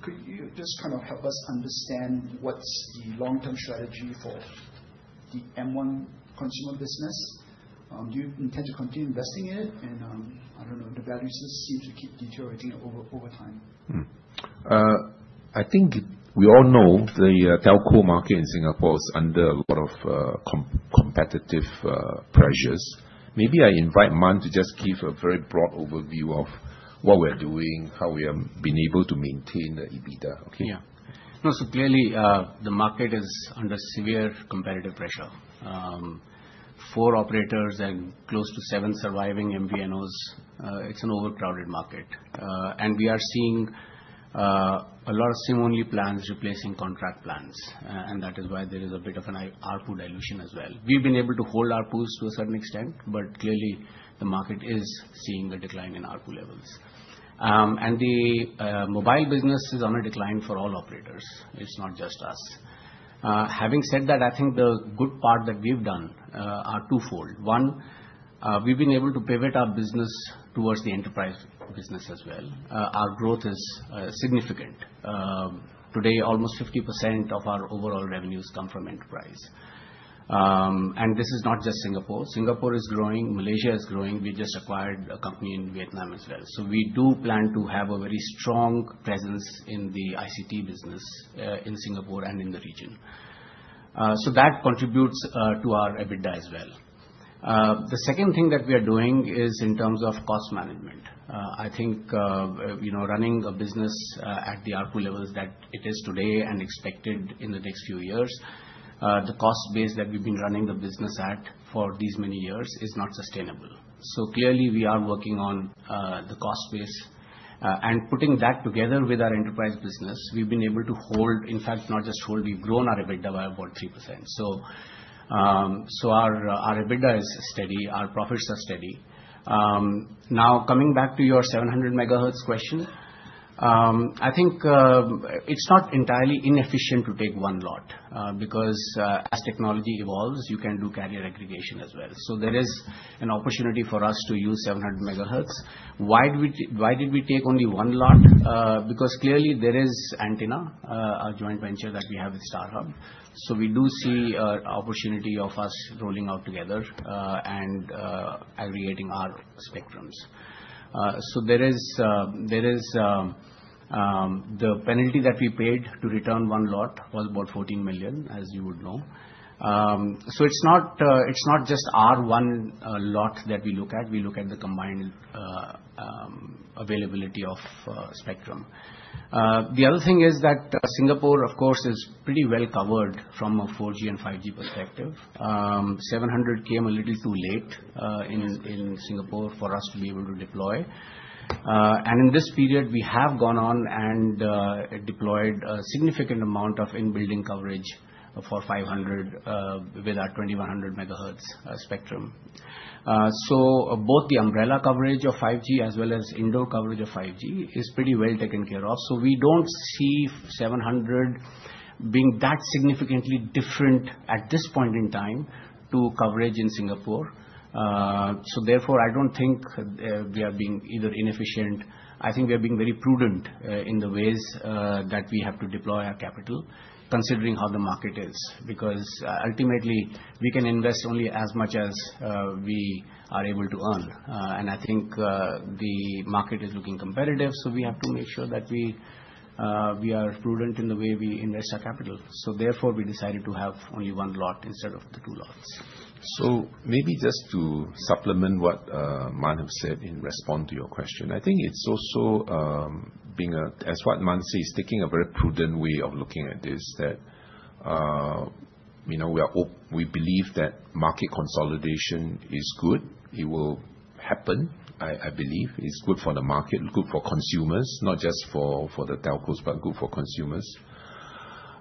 Could you just kind of help us understand what's the long-term strategy for the M1 consumer business? Do you intend to continue investing in it? I don't know, the value seems to keep deteriorating over time. I think we all know the telco market in Singapore is under a lot of competitive pressures. Maybe I invite Manjot to just give a very broad overview of what we're doing, how we have been able to maintain the EBITDA, okay? Yeah. No, clearly, the market is under severe competitive pressure. Four operators and close to seven surviving MVNOs. It's an overcrowded market. We are seeing a lot of SIM-only plans replacing contract plans. That is why there is a bit of an ARPU dilution as well. We've been able to hold ARPUs to a certain extent, but clearly, the market is seeing a decline in ARPU levels. The mobile business is on a decline for all operators. It's not just us. Having said that, I think the good part that we've done are twofold. One, we've been able to pivot our business towards the enterprise business as well. Our growth is significant. Today, almost 50% of our overall revenues come from enterprise. This is not just Singapore. Singapore is growing. Malaysia is growing. We just acquired a company in Vietnam as well. We do plan to have a very strong presence in the ICT business in Singapore and in the region. That contributes to our EBITDA as well. The second thing that we are doing is in terms of cost management. Running a business at the ARPU levels that it is today and expected in the next few years, the cost base that we've been running the business at for these many years is not sustainable. Clearly, we are working on the cost base. Putting that together with our enterprise business, we've been able to hold, in fact, not just hold, we've grown our EBITDA by about 3%. Our EBITDA is steady. Our profits are steady. Now, coming back to your 700 MHz question. It's not entirely inefficient to take one lot because as technology evolves, you can do carrier aggregation as well. There is an opportunity for us to use 700 MH Why did we take only one lot? Because there is Antina, a joint venture that we have with StarHub. We do see an opportunity of us rolling out together and aggregating our spectrums. The penalty that we paid to return one lot was about $14 million, as you would know. It's not just our one lot that we look at. We look at the combined availability of spectrum. Singapore, of course, is pretty well covered from a 4G and 5G perspective. 700 came a little too late in Singapore for us to be able to deploy. In this period, we have gone on and deployed a significant amount of in-building coverage for 500 with our 2,100 MHz spectrum. Both the umbrella coverage of 5G as well as indoor coverage of 5G is pretty well taken care of. We don't see 700 being that significantly different at this point in time to coverage in Singapore. Therefore, I don't think we are being either inefficient. I think we are being very prudent in the ways that we have to deploy our capital, considering how the market is. Ultimately, we can invest only as much as we are able to earn. I think the market is looking competitive, so we have to make sure that we are prudent in the way we invest our capital. Therefore, we decided to have only one lot instead of the two lots. Maybe just to supplement what Manjot has said in response to your question, I think it's also being a, as what Manjot said, he's taking a very prudent way of looking at this, that we believe that market consolidation is good. It will happen, I believe. It's good for the market, good for consumers, not just for the telcos, but good for consumers.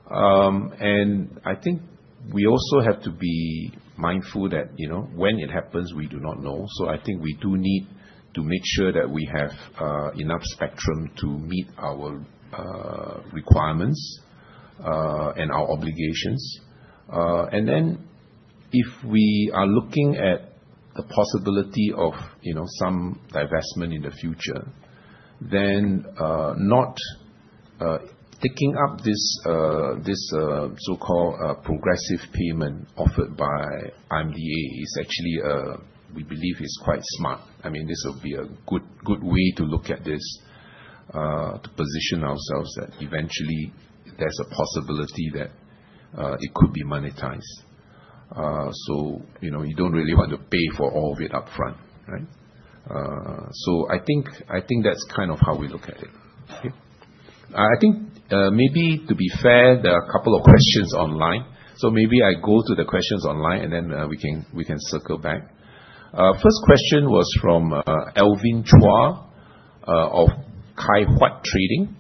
I think we also have to be mindful that when it happens, we do not know. I think we do need to make sure that we have enough spectrum to meet our requirements and our obligations. If we are looking at the possibility of some divestment in the future, then not taking up this so-called progressive payment offered by IMDA is actually, we believe, quite smart. I mean, this would be a good way to look at this, to position ourselves that eventually, there's a possibility that it could be monetized. You don't really want to pay for all of it upfront, right? I think that's kind of how we look at it. Maybe, to be fair, there are a couple of questions online. Maybe I go to the questions online, and then we can circle back. First question was from Elvin Chua of Kai Huat Trading.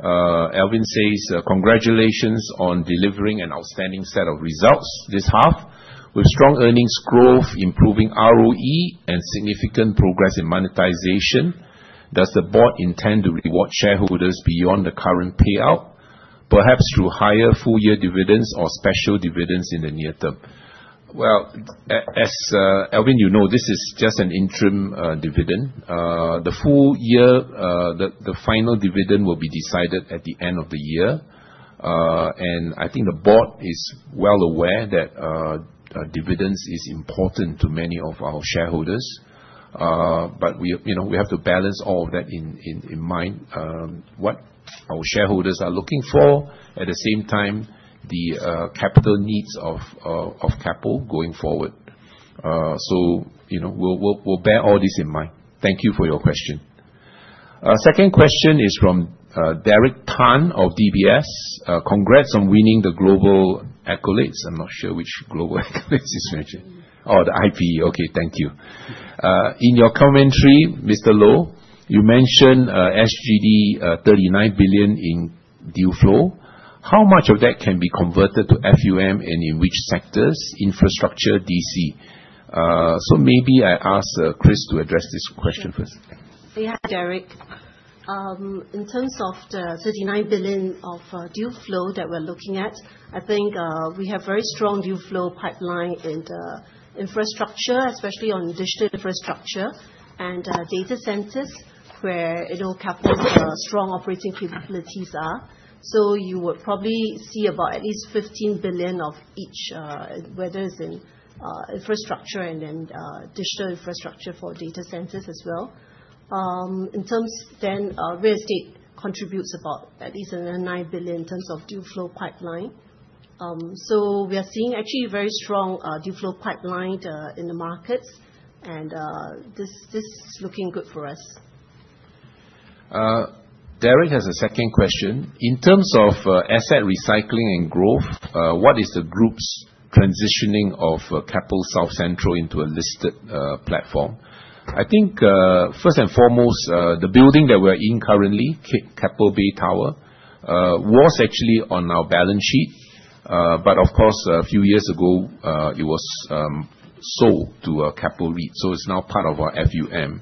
Elvin says, "Congratulations on delivering an outstanding set of results this half with strong earnings growth, improving ROE, and significant progress in monetization. Does the board intend to reward shareholders beyond the current payout, perhaps through higher full-year dividends or special dividends in the near term?" As Elvin, you know, this is just an interim dividend. The final dividend will be decided at the end of the year. I think the Board is well aware that dividends are important to many of our shareholders. We have to balance all of that in mind, what our shareholders are looking for, at the same time, the capital needs of Keppel going forward. We'll bear all this in mind. Thank you for your question. Second question is from Derek Tan of DBS. "Congrats on winning the global accolades." I'm not sure which global accolades you mentioned. Oh, the IPE. Okay, thank you. In your commentary, Mr. Loh, you mentioned $39 billion in deal flow. How much of that can be converted to FUM and in which sectors? Infrastructure, DC. Maybe I ask Chris to address this question first. Yeah, Derek. In terms of the $39 billion of deal flow that we're looking at, I think we have a very strong deal flow pipeline in the Infrastructure, especially on digital infrastructure and data centers, where Keppel's strong operating capabilities are. You would probably see about at least $15 billion of each, whether it's in Infrastructure and then digital infrastructure for data centers as well. In terms then, Real Eestate contributes about at least $9 billion in terms of deal flow pipeline. We are seeing actually a very strong deal flow pipeline in the markets. This is looking good for us. Derek has a second question. In terms of asset recycling and growth, what is the group's transitioning of Keppel South Central into a listed platform? I think first and foremost, the building that we're in currently, Keppel Bay Tower, was actually on our balance sheet. Of course, a few years ago, it was sold to Keppel REIT, so it's now part of our FUM.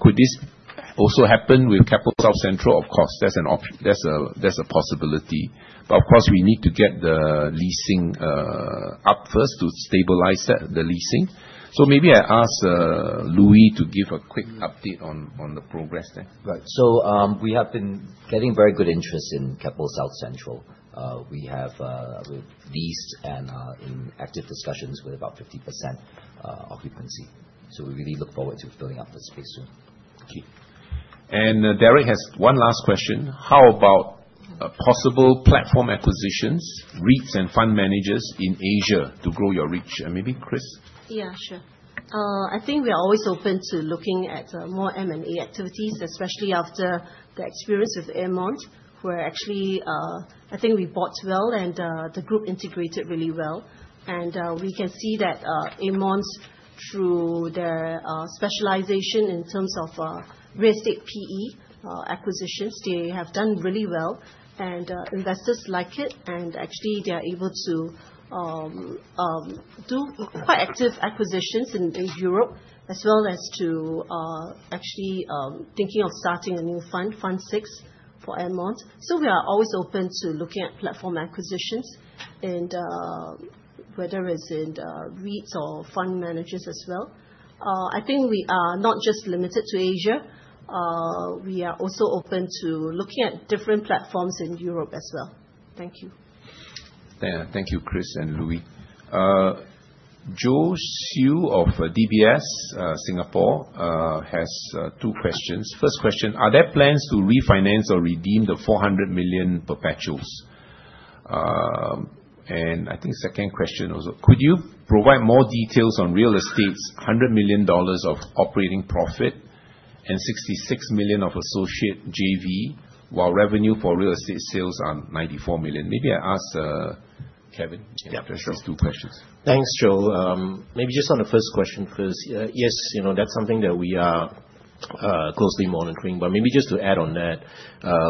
Could this also happen with Keppel South Central? Of course, that's a possibility. We need to get the leasing up first to stabilize the leasing. Maybe I ask Louis to give a quick update on the progress there. Right. We have been getting very good interest in Keppel South Central. We have leased and are in active discussions with about 50% occupancy. We really look forward to filling up the space soon. Derek has one last question. How about possible platform acquisitions, REITs, and fund managers in Asia to grow your reach? Maybe Chris? Yeah, sure. I think we are always open to looking at more M&A activities, especially after the experience with Aermont, where actually, I think we bought well and the group integrated really well. We can see that Aermont, through their specialization in terms of real estate PE acquisitions, they have done really well. Investors like it. Actually, they are able to do quite active acquisitions in Europe, as well as actually thinking of starting a new fund, Fund VI, for Aermont. We are always open to looking at platform acquisitions, whether it's in REITs or fund managers as well. I think we are not just limited to Asia. We are also open to looking at different platforms in Europe as well. Thank you. Thank you, Chris and Louis. Joel Siew of DBS Singapore has two questions. First question, are there plans to refinance or redeem the $400 million perpetuals? Second question also, could you provide more details on Real Estate's $100 million of operating profit and $66 million of associate JV, while revenue for Real Estate sales are $94 million? Maybe I ask Kevin to answer those two questions. Thanks, Joel. Maybe just on the first question first. Yes, that's something that we are closely monitoring. Maybe just to add on that,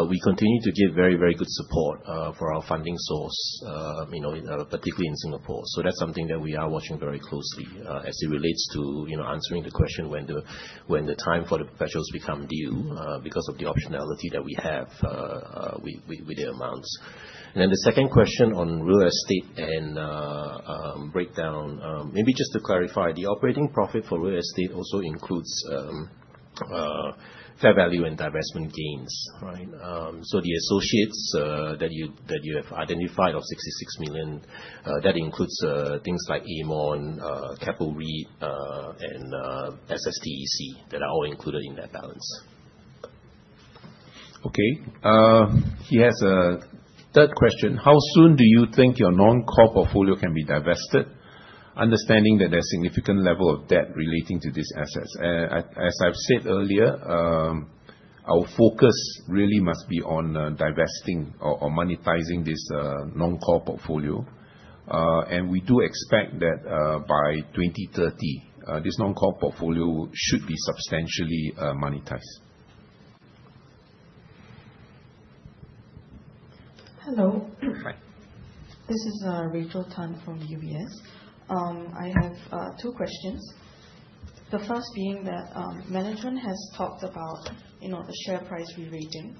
we continue to give very, very good support for our funding source. Particularly in Singapore. That's something that we are watching very closely as it relates to answering the question when the time for the perpetuals becomes due, because of the optionality that we have with the amounts. The second question on real estate and breakdown, maybe just to clarify, the operating profit for real estate also includes fair value and divestment gains, right? The associates that you have identified of $66 million, that includes things like Aermont, Keppel REIT, and SSTEC that are all included in that balance. He has a third question. How soon do you think your non-core portfolio can be divested, understanding that there's a significant level of debt relating to these assets? As I've said earlier, our focus really must be on divesting or monetizing this non-core portfolio. We do expect that by 2030, this non-core portfolio should be substantially monetized. Hello. This is Rachel Tan from UBS. I have two questions. The first being that management has talked about the share price re-rating.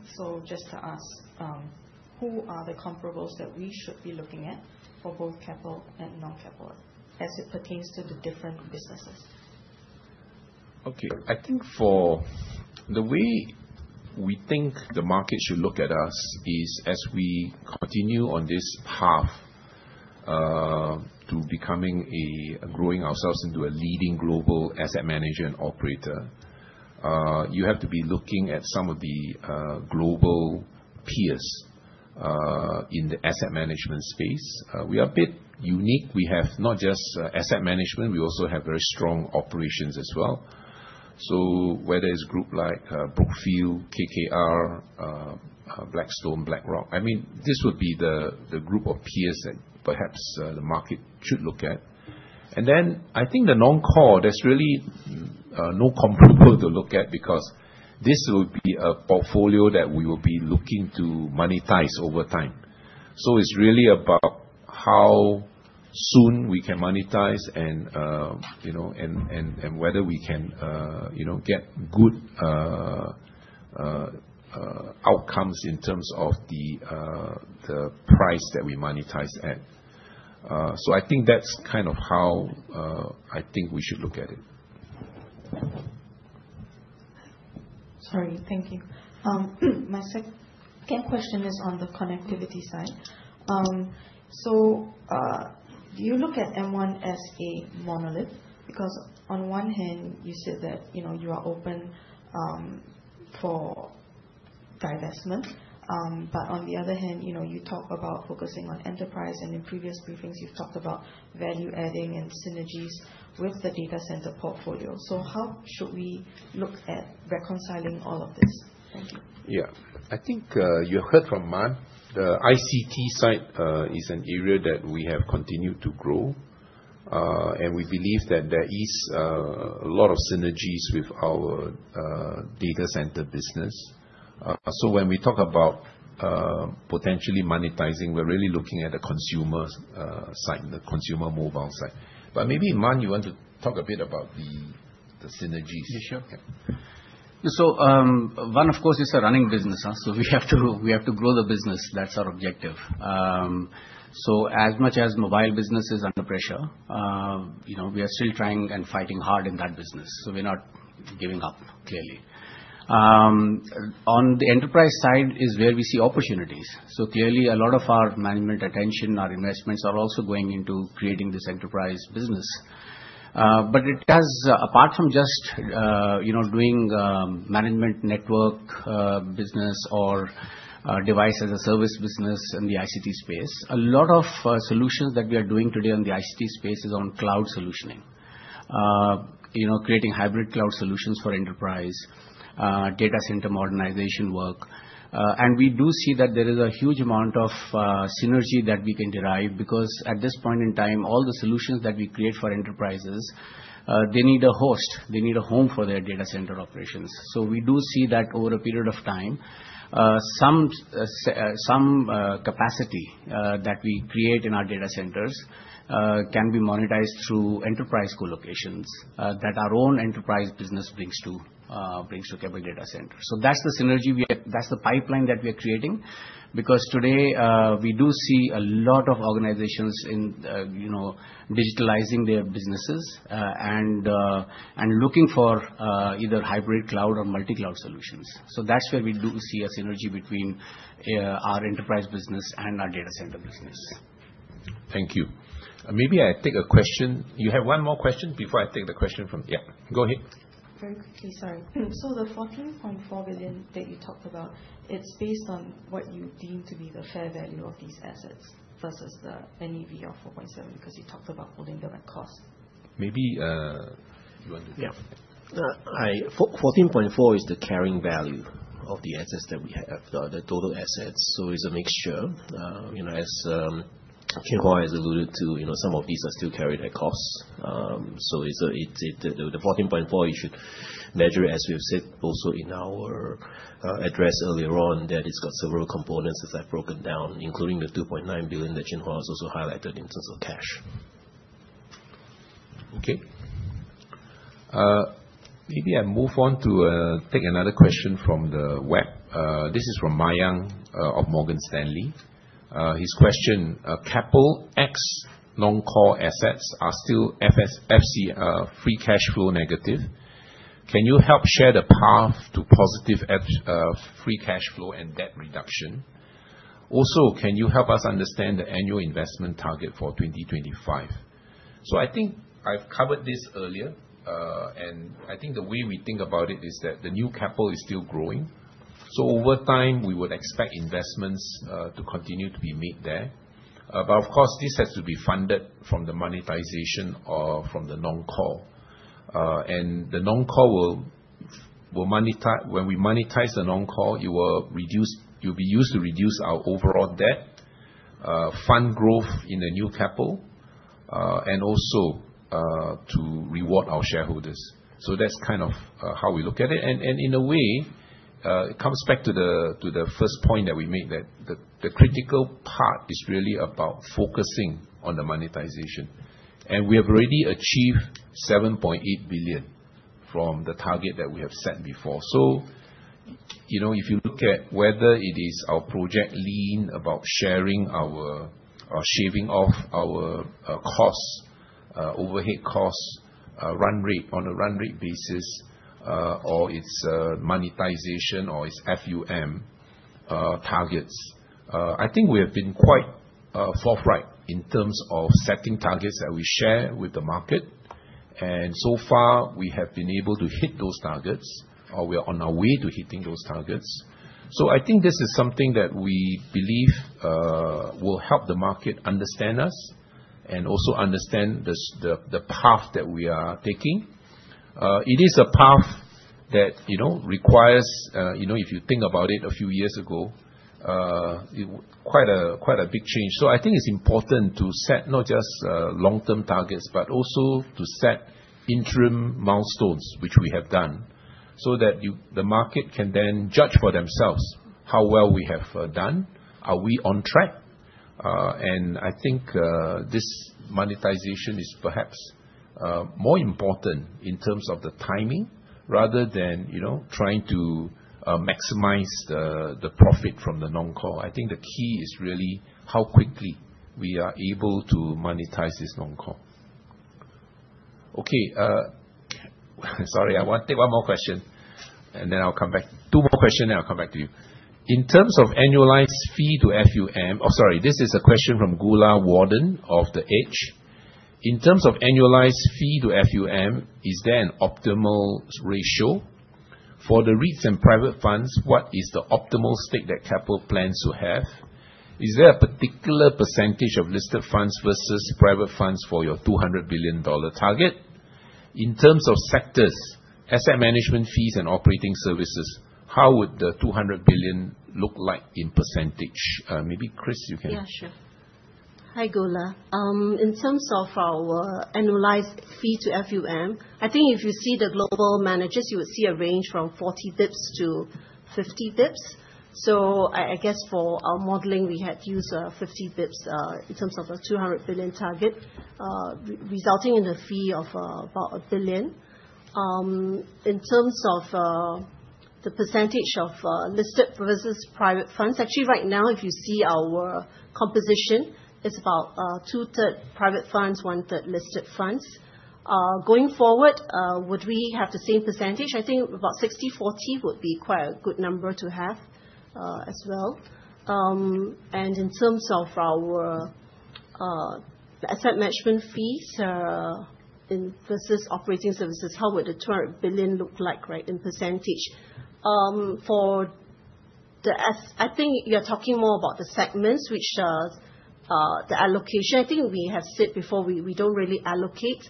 Just to ask, who are the comparables that we should be looking at for both Keppel and non-Keppel as it pertains to the different businesses? The way we think the market should look at us is as we continue on this path to growing ourselves into a leading global asset manager and operator. You have to be looking at some of the global peers in the asset management space. We are a bit unique. We have not just asset management, we also have very strong operations as well. Whether it's a group like Brookfield, KKR, Blackstone, BlackRock, this would be the group of peers that perhaps the market should look at. The non-core, there's really no comparable to look at because this will be a portfolio that we will be looking to monetize over time. It's really about how soon we can monetize and whether we can get good outcomes in terms of the price that we monetize at. That's kind of how I think we should look at it. Thank you. My second question is on the connectivity side. You look at M1 as a monolith because on one hand, you said that you are open for divestment, but on the other hand, you talk about focusing on enterprise. In previous briefings, you've talked about value adding and synergies with the data center portfolio. How should we look at reconciling all of this? Thank you. I think you heard from Manjot. The ICT side is an area that we have continued to grow. We believe that there is a lot of synergies with our data center business. When we talk about potentially monetizing, we're really looking at the consumer side, the consumer mobile side. Maybe, Manjot, you want to talk a bit about the synergies? Yeah, sure. One, of course, it's a running business. We have to grow the business. That's our objective. As much as mobile business is under pressure, we are still trying and fighting hard in that business. We're not giving up, clearly. On the enterprise side is where we see opportunities. Clearly, a lot of our management attention, our investments are also going into creating this enterprise business. It has, apart from just doing management network business or device-as-a-service business in the ICT space, a lot of solutions that we are doing today in the ICT space is on cloud solutioning, creating hybrid cloud solutions for enterprise, data center modernization work. We do see that there is a huge amount of synergy that we can derive because at this point in time, all the solutions that we create for enterprises, they need a host. They need a home for their data center operations. We do see that over a period of time, some capacity that we create in our data centers can be monetized through enterprise colocations that our own enterprise business brings to Keppel Data Centre. That's the synergy. That's the pipeline that we are creating because today, we do see a lot of organizations in digitalizing their businesses and looking for either hybrid cloud or multi-cloud solutions. That's where we do see a synergy between our enterprise business and our data center business. Thank you. Maybe I take a question. You have one more question before I take the question from, yeah. Go ahead. Very quickly, sorry. The $14.4 billion that you talked about, it's based on what you deem to be the fair value of these assets versus the NEV of $4.7 billion because you talked about holding them at cost. Maybe you want to take it. Yeah. $14.4 billion is the carrying value of the assets that we have, the total assets. It's a mixture. As Chin Hua has alluded to, some of these are still carried at cost. The $14.4 billion, you should measure it, as we have said also in our address earlier on, that it's got several components, as I've broken down, including the $2.9 billion that Chin Hua has also highlighted in terms of cash. Okay. Maybe I move on to take another question from the web. This is from Myanh of Morgan Stanley. His question, "Keppel non-core assets are still free cash flow negative. Can you help share the path to positive free cash flow and debt reduction? Also, can you help us understand the annual investment target for 2025?" I think I've covered this earlier. The way we think about it is that the New Keppel is still growing. Over time, we would expect investments to continue to be made there. Of course, this has to be funded from the monetization or from the non-core. When we monetize the non-core, it will be used to reduce our overall debt, fund growth in the new Keppel, and also to reward our shareholders. That's kind of how we look at it. In a way, it comes back to the first point that we made, that the critical part is really about focusing on the monetization. We have already achieved $7.8 billion from the target that we have set before. If you look at whether it is our project lean about sharing our, shaving off our costs, overhead costs, on a run rate basis, or it's monetization or it's FUM targets, I think we have been quite forthright in terms of setting targets that we share with the market. So far, we have been able to hit those targets, or we are on our way to hitting those targets. I think this is something that we believe will help the market understand us and also understand the path that we are taking. It is a path that requires, if you think about it, a few years ago, quite a big change. I think it's important to set not just long-term targets, but also to set interim milestones, which we have done, so that the market can then judge for themselves how well we have done. Are we on track? I think this monetization is perhaps more important in terms of the timing rather than trying to maximize the profit from the non-core. The key is really how quickly we are able to monetize this non-core. Okay. Sorry, I want to take one more question, and then I'll come back. Two more questions, then I'll come back to you. In terms of annualized fee to FUM, oh, sorry, this is a question from Goola Warden of The Edge. In terms of annualized fee to FUM, is there an optimal ratio? For the REITs and private funds, what is the optimal stake that Keppel plans to have? Is there a particular percentage of listed funds versus private funds for your $200 billion target? In terms of sectors, asset management fees and operating services, how would the $200 billion look like in %? Maybe Chris, you can. Yeah, sure. Hi, Goola. In terms of our annualized fee to FUM, I think if you see the global managers, you would see a range from 40 basis points to 50 basis points. I guess for our modeling, we had to use 50 basis points in terms of a $200 billion target, resulting in a fee of about $1 billion. In terms of the percentage of listed versus private funds, actually, right now, if you see our composition, it's about 2/3 private funds, 1/3 listed funds. Going forward, would we have the same percentage? I think about 60/40 would be quite a good number to have as well. In terms of our asset management fees versus operating services, how would the $200 billion look like, right, in percentage? I think you're talking more about the segments, which is the allocation. I think we have said before, we don't really allocate.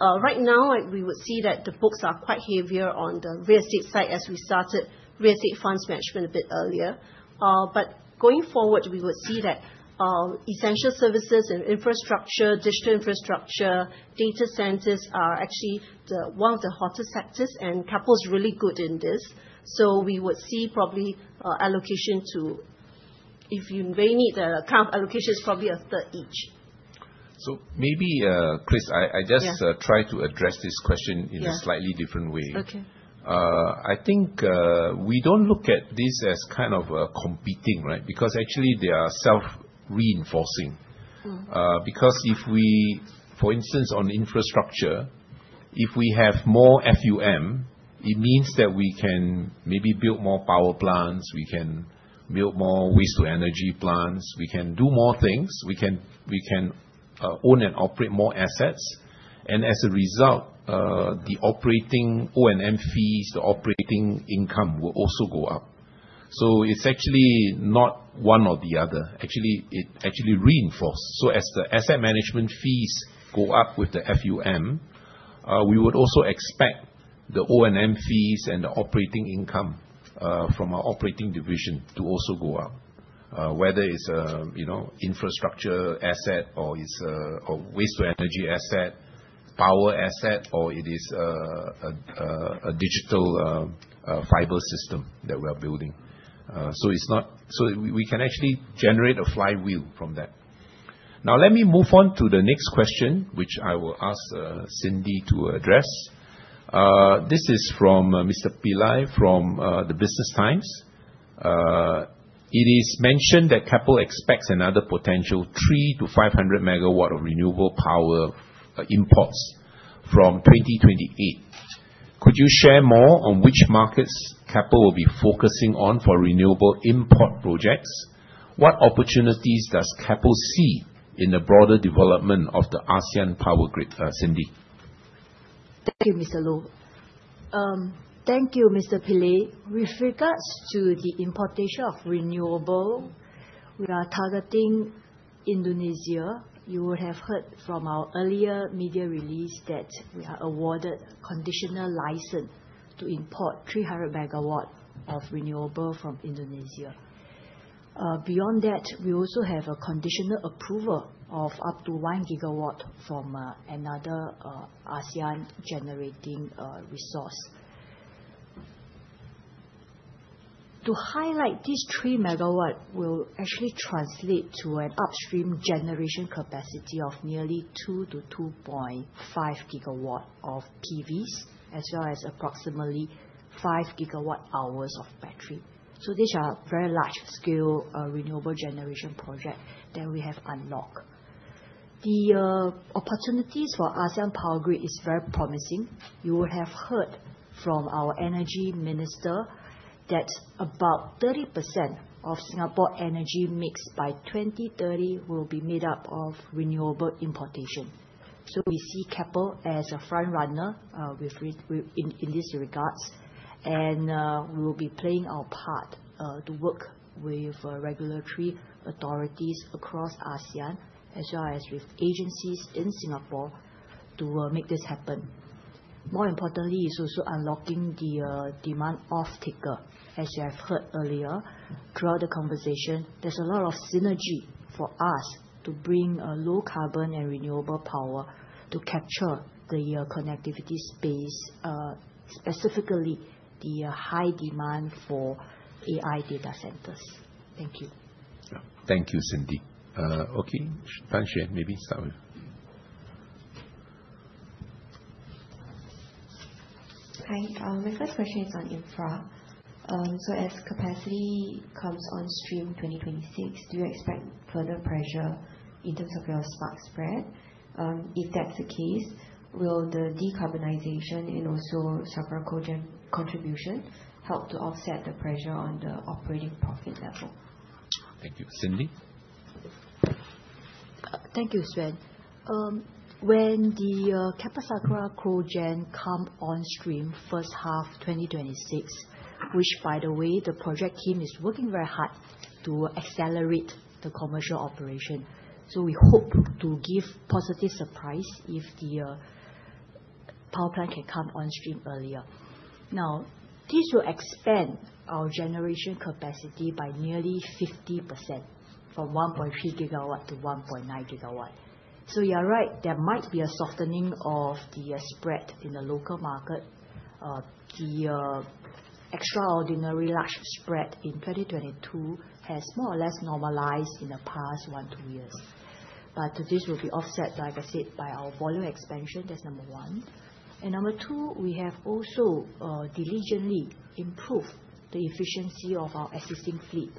Right now, we would see that the books are quite heavier on the real estate side as we started real estate funds management a bit earlier. Going forward, we would see that essential services and infrastructure, digital infrastructure, data centers are actually one of the hotter sectors, and Keppel's really good in this. We would see probably allocation to, if you really need the account allocation, it's probably 1/3 each. Maybe, Chris, I just try to address this question in a slightly different way. I think we don't look at this as kind of competing, right, because actually, they are self-reinforcing. For instance, on infrastructure, if we have more FUM, it means that we can maybe build more power plants, we can build more waste-to-energy plants, we can do more things, we can own and operate more assets. As a result, the operating O&M fees, the operating income will also go up. It's actually not one or the other. It actually reinforces. As the asset management fees go up with the FUM, we would also expect the O&M fees and the operating income from our operating division to also go up, whether it's an infrastructure asset or it's a waste-to-energy asset, power asset, or it is a digital fiber system that we are building. We can actually generate a flywheel from that. Now, let me move on to the next question, which I will ask Cindy to address. This is from Mr. Pillai from The Business Times. It is mentioned that Keppel expects another potential 300-500 MW of renewable power imports from 2028. Could you share more on which markets Keppel will be focusing on for renewable import projects? What opportunities does Keppel see in the broader development of the ASEAN power grid, Cindy? Thank you, Mr. Loh. Thank you, Mr. Pillai. With regards to the importation of renewable, we are targeting Indonesia. You will have heard from our earlier media release that we are awarded a conditional license to import 300 MW of renewable from Indonesia. Beyond that, we also have a conditional approval of up to 1 GW from another ASEAN-generating resource. To highlight, these 300 MW will actually translate to an upstream generation capacity of nearly 2-2.5 GW of PVs, as well as approximately 5 GW-hours of battery. These are very large-scale renewable generation projects that we have unlocked. The opportunities for ASEAN power grid are very promising. You will have heard from our energy minister that about 30% of Singapore's energy mix by 2030 will be made up of renewable importation. We see Keppel as a front-runner in these regards, and we will be playing our part to work with regulatory authorities across ASEAN, as well as with agencies in Singapore, to make this happen. More importantly, it's also unlocking the demand-offtaker. As you have heard earlier, throughout the conversation, there's a lot of synergy for us to bring low-carbon and renewable power to capture the connectivity space, specifically the high demand for AI data centers. Thank you. Thank you, Cindy. Okay. Fan Sheng, maybe start with. Hi. My first question is on infra. As capacity comes on stream 2026, do you expect further pressure in terms of your spark spread? If that's the case, will the decarbonization and also Sakra Cogen contribution help to offset the pressure on the operating profit level? Thank you. Cindy? Thank you, Swen. When the Keppel-Sakra Cogen comes on stream first half 2026, which, by the way, the project team is working very hard to accelerate the commercial operation, we hope to give a positive surprise if the power plant can come on stream earlier. This will expand our generation capacity by nearly 50% from 1.3 GW to 1.9 GW. You're right, there might be a softening of the spread in the local market. The extraordinary large spread in 2022 has more or less normalized in the past one or two years. This will be offset, like I said, by our volume expansion. That's number one. Number two, we have also diligently improved the efficiency of our existing fleet.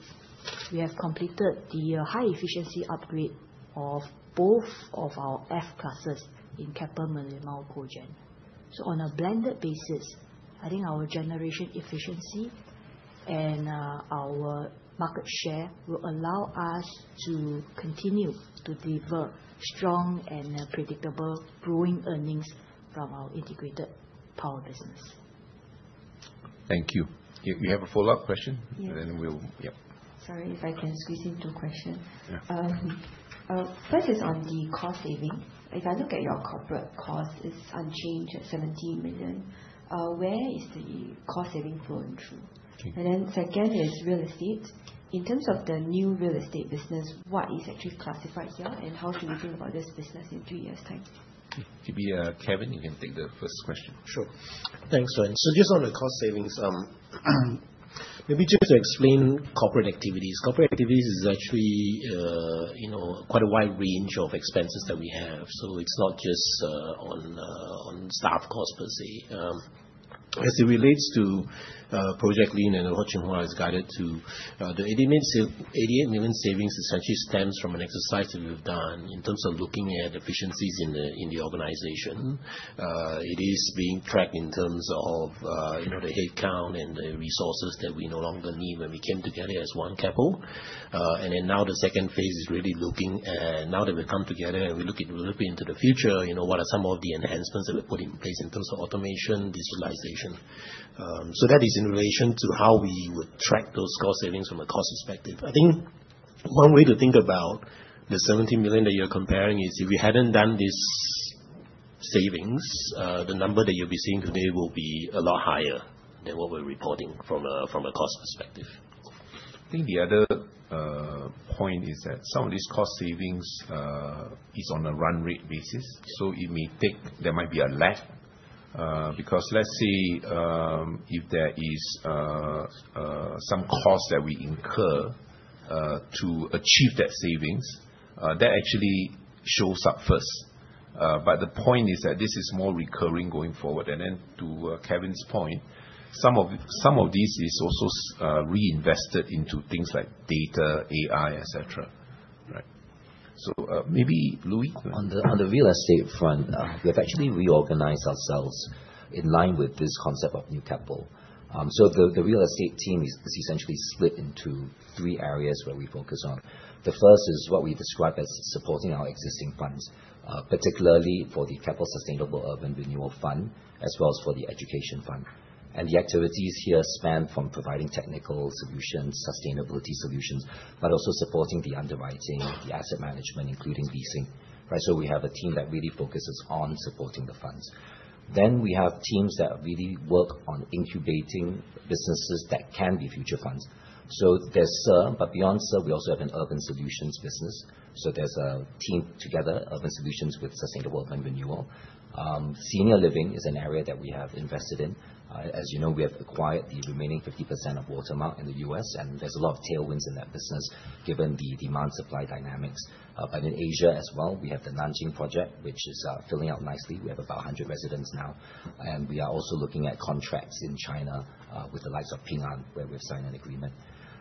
We have completed the high-efficiency upgrade of both of our F-classes in Keppel-Merlimau Cogen. On a blended basis, I think our generation efficiency and our market share will allow us to continue to deliver strong and predictable growing earnings from our integrated power business. Thank you. You have a follow-up question? Yes. Sorry, if I can squeeze in two questions. First is on the cost saving. If I look at your corporate cost, it's unchanged at $17 million. Where is the cost saving flowing through? Second is real estate. In terms of the new real estate business, what is actually classified here, and how should we think about this business in three years' time? Kevin, you can take the first question. Sure. Thanks, Swen. Just on the cost savings, maybe just to explain corporate activities. Corporate activities is actually quite a wide range of expenses that we have. It's not just on staff costs, per se. As it relates to Project LEAN and Loh Chin Hua, it's guided to the $88 million savings essentially stems from an exercise that we've done in terms of looking at efficiencies in the organization. It is being tracked in terms of the headcount and the resources that we no longer need when we came together as one Keppel. The second phase is really looking at, now that we've come together and we're looking into the future, what are some of the enhancements that we've put in place in terms of automation, digitalization. That is in relation to how we would track those cost savings from a cost perspective. I think one way to think about the $17 million that you're comparing is if we hadn't done this savings, the number that you'll be seeing today would be a lot higher than what we're reporting from a cost perspective. The other point is that some of these cost savings is on a run rate basis. It may take, there might be a lag, because let's say if there is some cost that we incur to achieve that savings, that actually shows up first. The point is that this is more recurring going forward. To Kevin's point, some of these are also reinvested into things like data, AI, etc. Right? Louis? On the real estate front, we have actually reorganized ourselves in line with this concept of New Keppel. The real estate team is essentially split into three areas where we focus on. The first is what we describe as supporting our existing funds, particularly for the Keppel Sustainable Urban Renewal Fund, as well as for the education fund. The activities here span from providing technical solutions, sustainability solutions, but also supporting the underwriting, the asset management, including leasing. Right? We have a team that really focuses on supporting the funds. We have teams that really work on incubating businesses that can be future funds. There is SUR, but beyond SUR, we also have an urban solutions business. There is a team together, urban solutions with sustainable urban renewal. Senior living is an area that we have invested in. As you know, we have acquired the remaining 50% of Watermark in the U.S., and there is a lot of tailwinds in that business given the demand-supply dynamics. In Asia as well, we have the Nanjing project, which is filling up nicely. We have about 100 residents now. We are also looking at contracts in China with the likes of Ping An, where we've signed an agreement.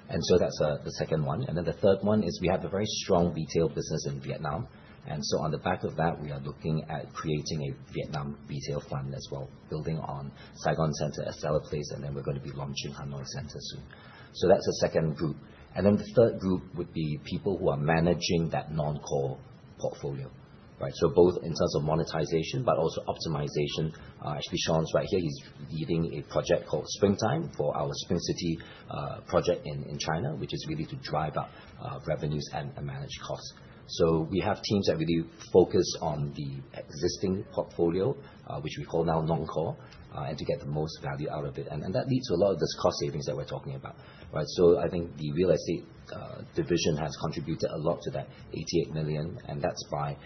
That is the second one. The third one is we have a very strong retail business in Vietnam. On the back of that, we are looking at creating a Vietnam retail fund as well, building on Saigon Center as seller place, and we are going to be launching Hanoi Center soon. That is the second group. The third group would be people who are managing that non-core portfolio. Right? Both in terms of monetization, but also optimization. is right here. He Sixiang is leading a project called Springtime for our Spring City project in China, which is really to drive up revenues and manage costs. We have teams that really focus on the existing portfolio, which we call now non-core, and to get the most value out of it. That leads to a lot of these cost savings that we're talking about. Right? I think the real estate division has contributed a lot to that $88 million, and that is by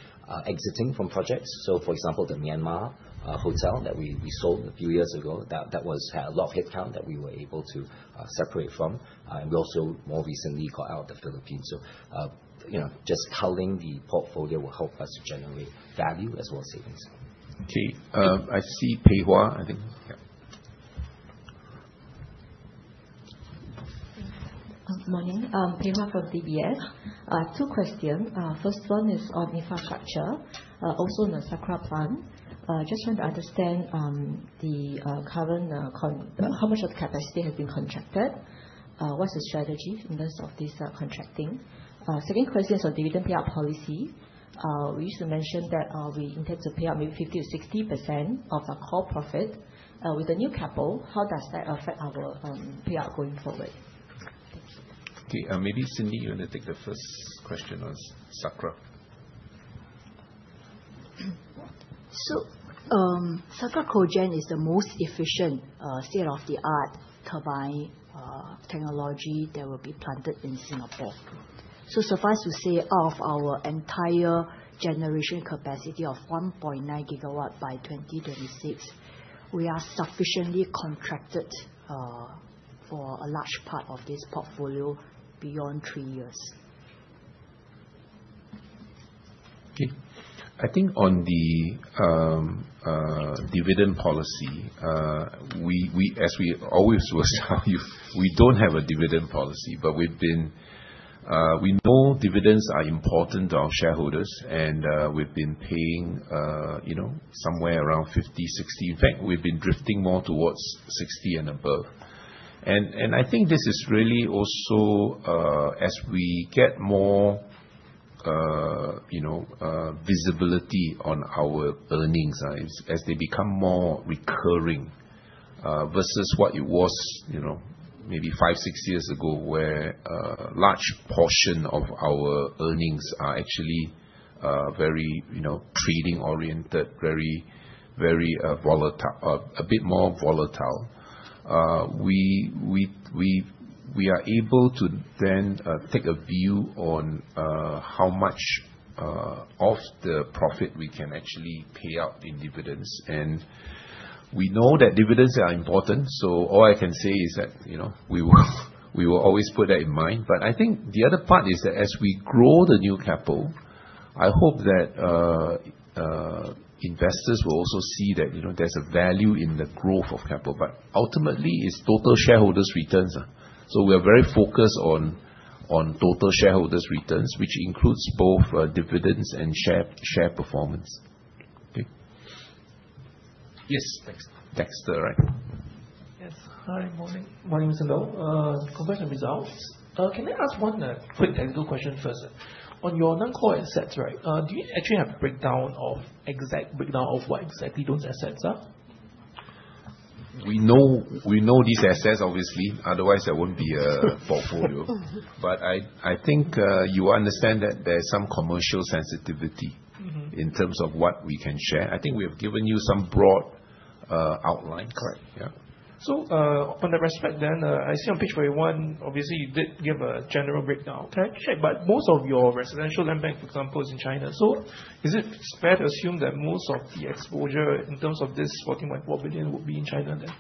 exiting from projects. For example, the Myanmar hotel that we sold a few years ago, that had a lot of headcount that we were able to separate from. We also more recently got out of the Philippines. Just culling the portfolio will help us to generate value as well as savings. Okay. I see Pei Hwa, I think. Morning. Pei Hua from DBS. Two questions. First one is on infrastructure, also on the Sakra plant. Just trying to understand. The current, how much of the capacity has been contracted. What's the strategy in terms of this contracting? Second question is on dividend payout policy. We used to mention that we intend to pay out maybe 50%-60% of our core profit. With the new Keppel, how does that affect our payout going forward? Thank you. Maybe Cindy, you want to take the first question on Sakra? Sakra Cogen is the most efficient state-of-the-art turbine technology that will be planted in Singapore. Suffice to say, of our entire generation capacity of 1.9 GW by 2026, we are sufficiently contracted for a large part of this portfolio beyond three years. On the dividend policy, as we always will tell you, we don't have a dividend policy, but we know dividends are important to our shareholders, and we've been paying somewhere around 50%, 60%. In fact, we've been drifting more towards 60% and above. I think this is really also as we get more visibility on our earnings, as they become more recurring versus what it was maybe five, six years ago, where a large portion of our earnings are actually very trading-oriented, a bit more volatile. We are able to then take a view on how much of the profit we can actually pay out in dividends. We know that dividends are important. All I can say is that we will always put that in mind. I think the other part is that as we grow the new Keppel, I hope that investors will also see that there's a value in the growth of Keppel. Ultimately, it's total shareholders' returns. We are very focused on total shareholders' returns, which includes both dividends and share performance. Yes, right? Yes. Hi. Morning. Morning, Mr. Loh. Congrats on the results. Can I ask one quick technical question first? On your non-core assets, do you actually have a breakdown of what exactly those assets are? We know these assets, obviously. Otherwise, there wouldn't be a portfolio. I think you understand that there's some commercial sensitivity in terms of what we can share. I think we have given you some broad outlines. Correct. On that respect then, I see on page 41, obviously, you did give a general breakdown. Can I check, but most of your residential land bank, for example, is in China. Is it fair to assume that most of the exposure in terms of this $14.4 billion would be in China then?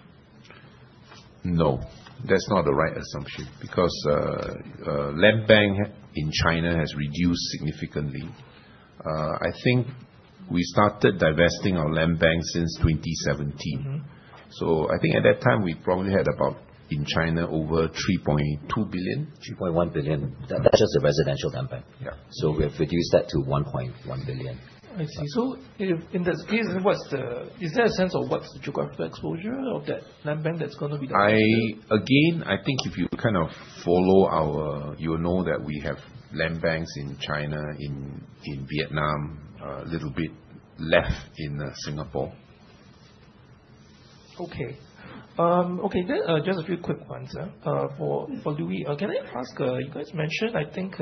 No. That's not the right assumption. Because land bank in China has reduced significantly. I think we started divesting our land bank since 2017. At that time, we probably had about in China over $3.2 billion, $3.1 billion. That's just the residential land bank. We have reduced that to $1.1 billion. I see. In that case, is there a sense of what's the geographical exposure of that land bank that's going to be divested? Again, if you kind of follow our, you'll know that we have land banks in China, in Vietnam, a little bit left in Singapore. Okay. Then just a few quick ones for Louis. Can I ask? You guys mentioned, I think,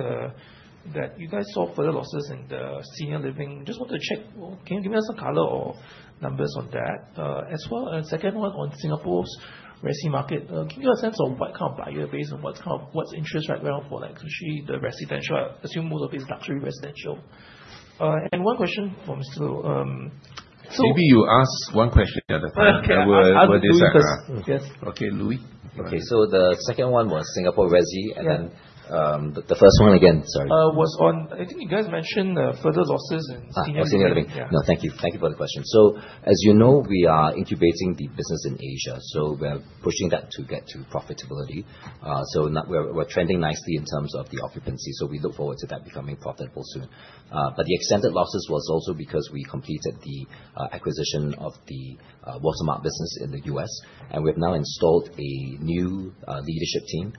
that you guys saw further losses in the senior living. Just want to check. Can you give us a color or numbers on that? As well as a second one on Singapore's resi market. Give you a sense of what kind of buyer base and what's interest right now for actually the residential, I assume most of it is luxury residential. And one question for Mr. Loh. So maybe you ask one question at a time. I will do that. Okay. Louis? Okay. The second one was Singapore resi. The first one again, sorry. Was on I think you guys mentioned further losses in senior living. No. Thank you. Thank you for the question. As you know, we are incubating the business in Asia. We're pushing that to get to profitability. We're trending nicely in terms of the occupancy. We look forward to that becoming profitable soon. The extended losses were also because we completed the acquisition of the Watermark business in the U.S. We have now installed a new leadership team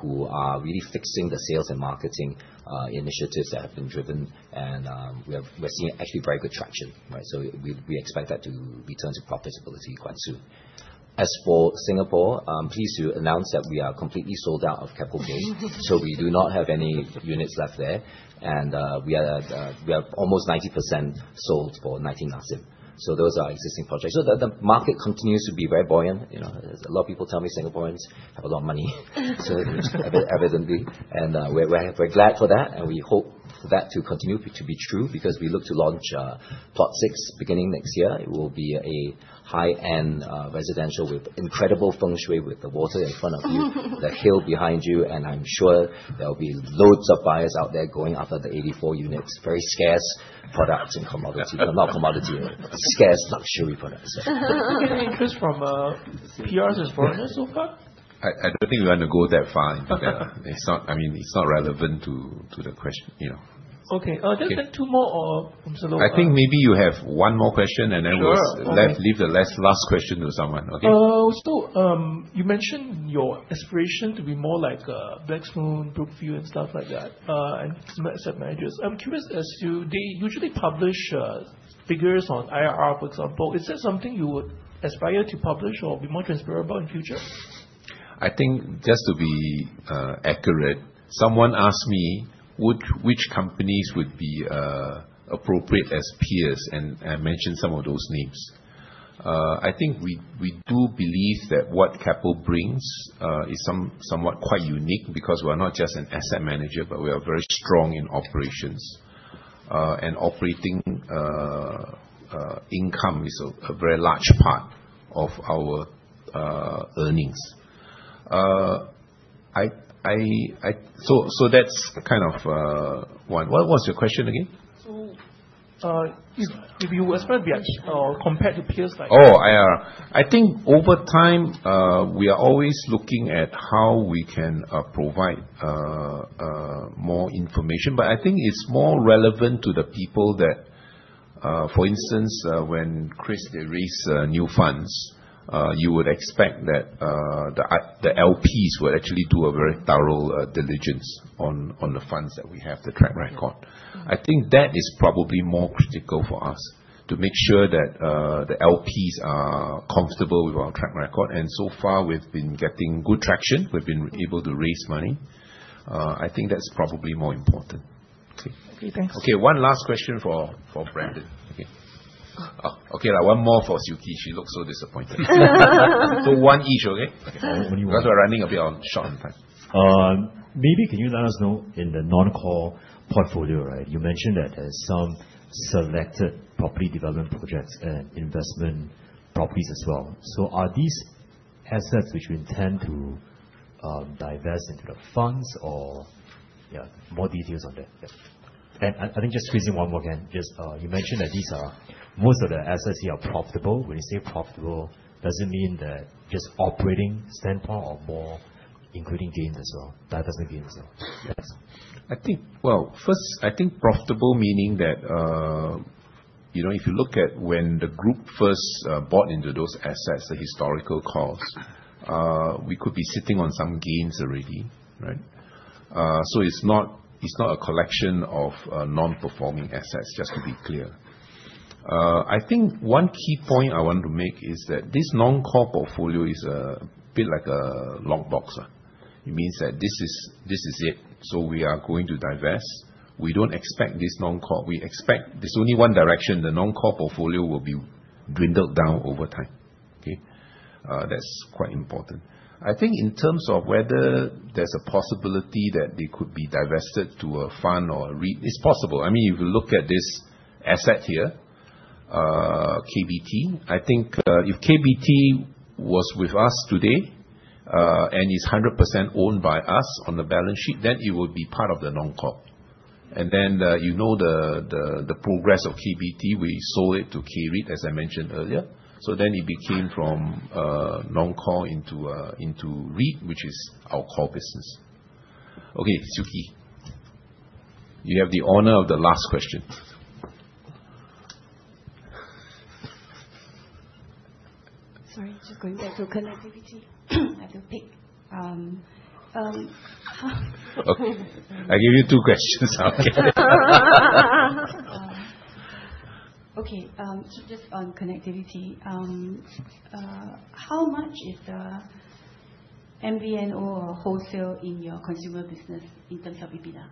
who are really fixing the sales and marketing initiatives that have been driven. We're seeing actually very good traction. We expect that to return to profitability quite soon. As for Singapore, please do announce that we are completely sold out of Keppel Bay. We do not have any units left there. We are almost 90% sold for 19,000. Those are our existing projects. The market continues to be very buoyant. A lot of people tell me Singaporeans have a lot of money, evidently. We're glad for that. We hope for that to continue to be true because we look to launch Plot 6 beginning next year. It will be a high-end residential with incredible feng shui with the water in front of you, the hill behind you. I'm sure there will be loads of buyers out there going after the 84 units. Very scarce products and commodities. Not commodity, scarce luxury products. Any interest from PRs and foreigners so far? I don't think we want to go that far. I mean, it's not relevant to the question. Okay. Just two more or Mr. Loh? I think maybe you have one more question, and then we'll leave the last question to someone. Okay. You mentioned your aspiration to be more like Blackstone, Brookfield, and stuff like that, and similar asset managers. I'm curious, as you usually publish figures on IRR, for example, is that something you would aspire to publish or be more transparent about in future? I think just to be accurate, someone asked me which companies would be appropriate as peers, and I mentioned some of those names. I think we do believe that what Keppel brings is somewhat quite unique because we are not just an asset manager, but we are very strong in operations. Operating income is a very large part of our earnings. That's kind of one. What was your question again? If you aspire to be compared to peers like you. Oh, yeah. I think over time, we are always looking at how we can provide more information. I think it's more relevant to the people that, for instance, when Chris raised new funds, you would expect that the LPs would actually do a very thorough diligence on the funds that we have, the track record. I think that is probably more critical for us to make sure that the LPs are comfortable with our track record. So far, we've been getting good traction. We've been able to raise money. I think that's probably more important. Okay. Thanks. One last question for Brandon. Okay. One more for Suki. She looks so disappointed. One each, okay? Only one because we're running a bit short on time. Maybe can you let us know in the non-core portfolio, right? You mentioned that there's some selected property development projects and investment properties as well. Are these assets which we intend to divest into the funds or, yeah, more details on that? Just squeezing one more again. You mentioned that most of the assets here are profitable. When you say profitable, does it mean just operating standpoint or more including gains as well? Divestment gains as well? Yes. First, I think profitable meaning that if you look at when the group first bought into those assets, the historical costs, we could be sitting on some gains already, right? It's not a collection of non-performing assets, just to be clear. I think one key point I want to make is that this non-core portfolio is a bit like a lockbox. It means that this is it. We are going to divest. We don't expect this non-core. We expect there's only one direction. The non-core portfolio will be dwindled down over time. That's quite important. I think in terms of whether there's a possibility that they could be divested to a fund or a REIT, it's possible. I mean, if you look at this asset here, KBT, I think if KBT was with us today and is 100% owned by us on the balance sheet, then it would be part of the non-core. You know the progress of KBT. We sold it to Keppel REIT, as I mentioned earlier. Then it became from non-core into REIT, which is our core business. Suki, you have the honor of the last question. Sorry, just going back to connectivity. I have to pick. I gave you two questions. Just on connectivity, how much is the MVNO or wholesale in your consumer business in terms of EBITDA?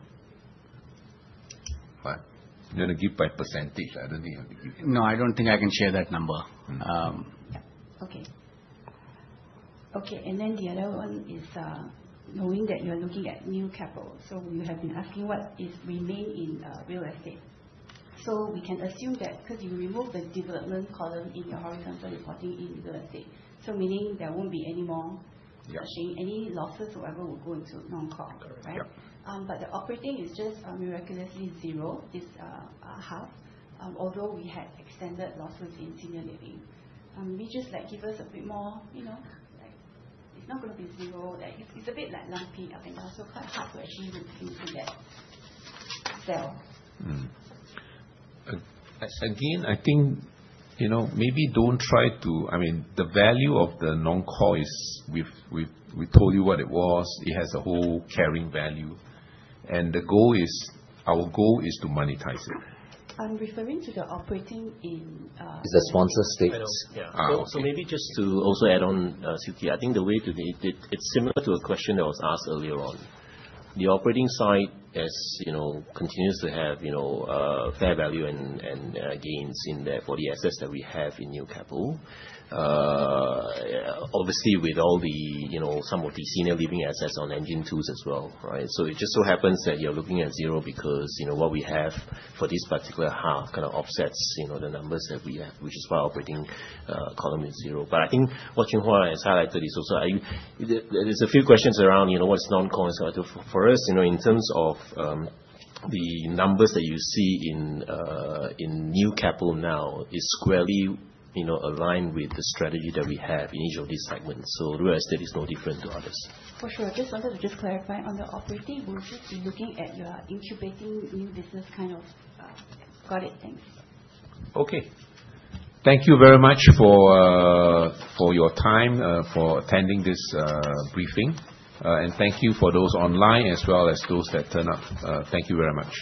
I'm going to give by percentage. I don't think I'm going to give you. No, I don't think I can share that number. The other one is, knowing that you're looking at New Keppel, you have been asking what is remain in Real Estate. We can assume that because you remove the development column in your horizontal reporting in real estate, meaning there won't be any more, any losses whoever will go into non-core, right? The operating is just miraculously zero. It's half, although we had extended losses in senior living. Maybe just give us a bit more. It's not going to be zero. It's a bit lumpy and quite hard to actually look into that sale. Again, I think maybe don't try to, I mean, the value of the non-core is, we told you what it was. It has a whole carrying value, and our goal is to monetize it. I'm referring to the operating in. Is the sponsor state. Maybe just to also add on, Suki, I think the way to, it's similar to a question that was asked earlier on. The operating side continues to have fair value and gains in there for the assets that we have in New Keppel. Obviously, with some of the senior living assets on engine twos as well, right? It just so happens that you're looking at zero because what we have for this particular half kind of offsets the numbers that we have, which is why operating column is zero. I think what Chin Hua has highlighted is also, there's a few questions around what's non-core and so on. In terms of the numbers that you see in New Keppel now, it's squarely aligned with the strategy that we have in each of these segments. Real Estate is no different to others for sure. Just wanted to clarify on the operating. We'll just be looking at your incubating new business kind of. Got it. Thanks. Thank you very much for your time for attending this briefing, and thank you for those online as well as those that turned up. Thank you very much.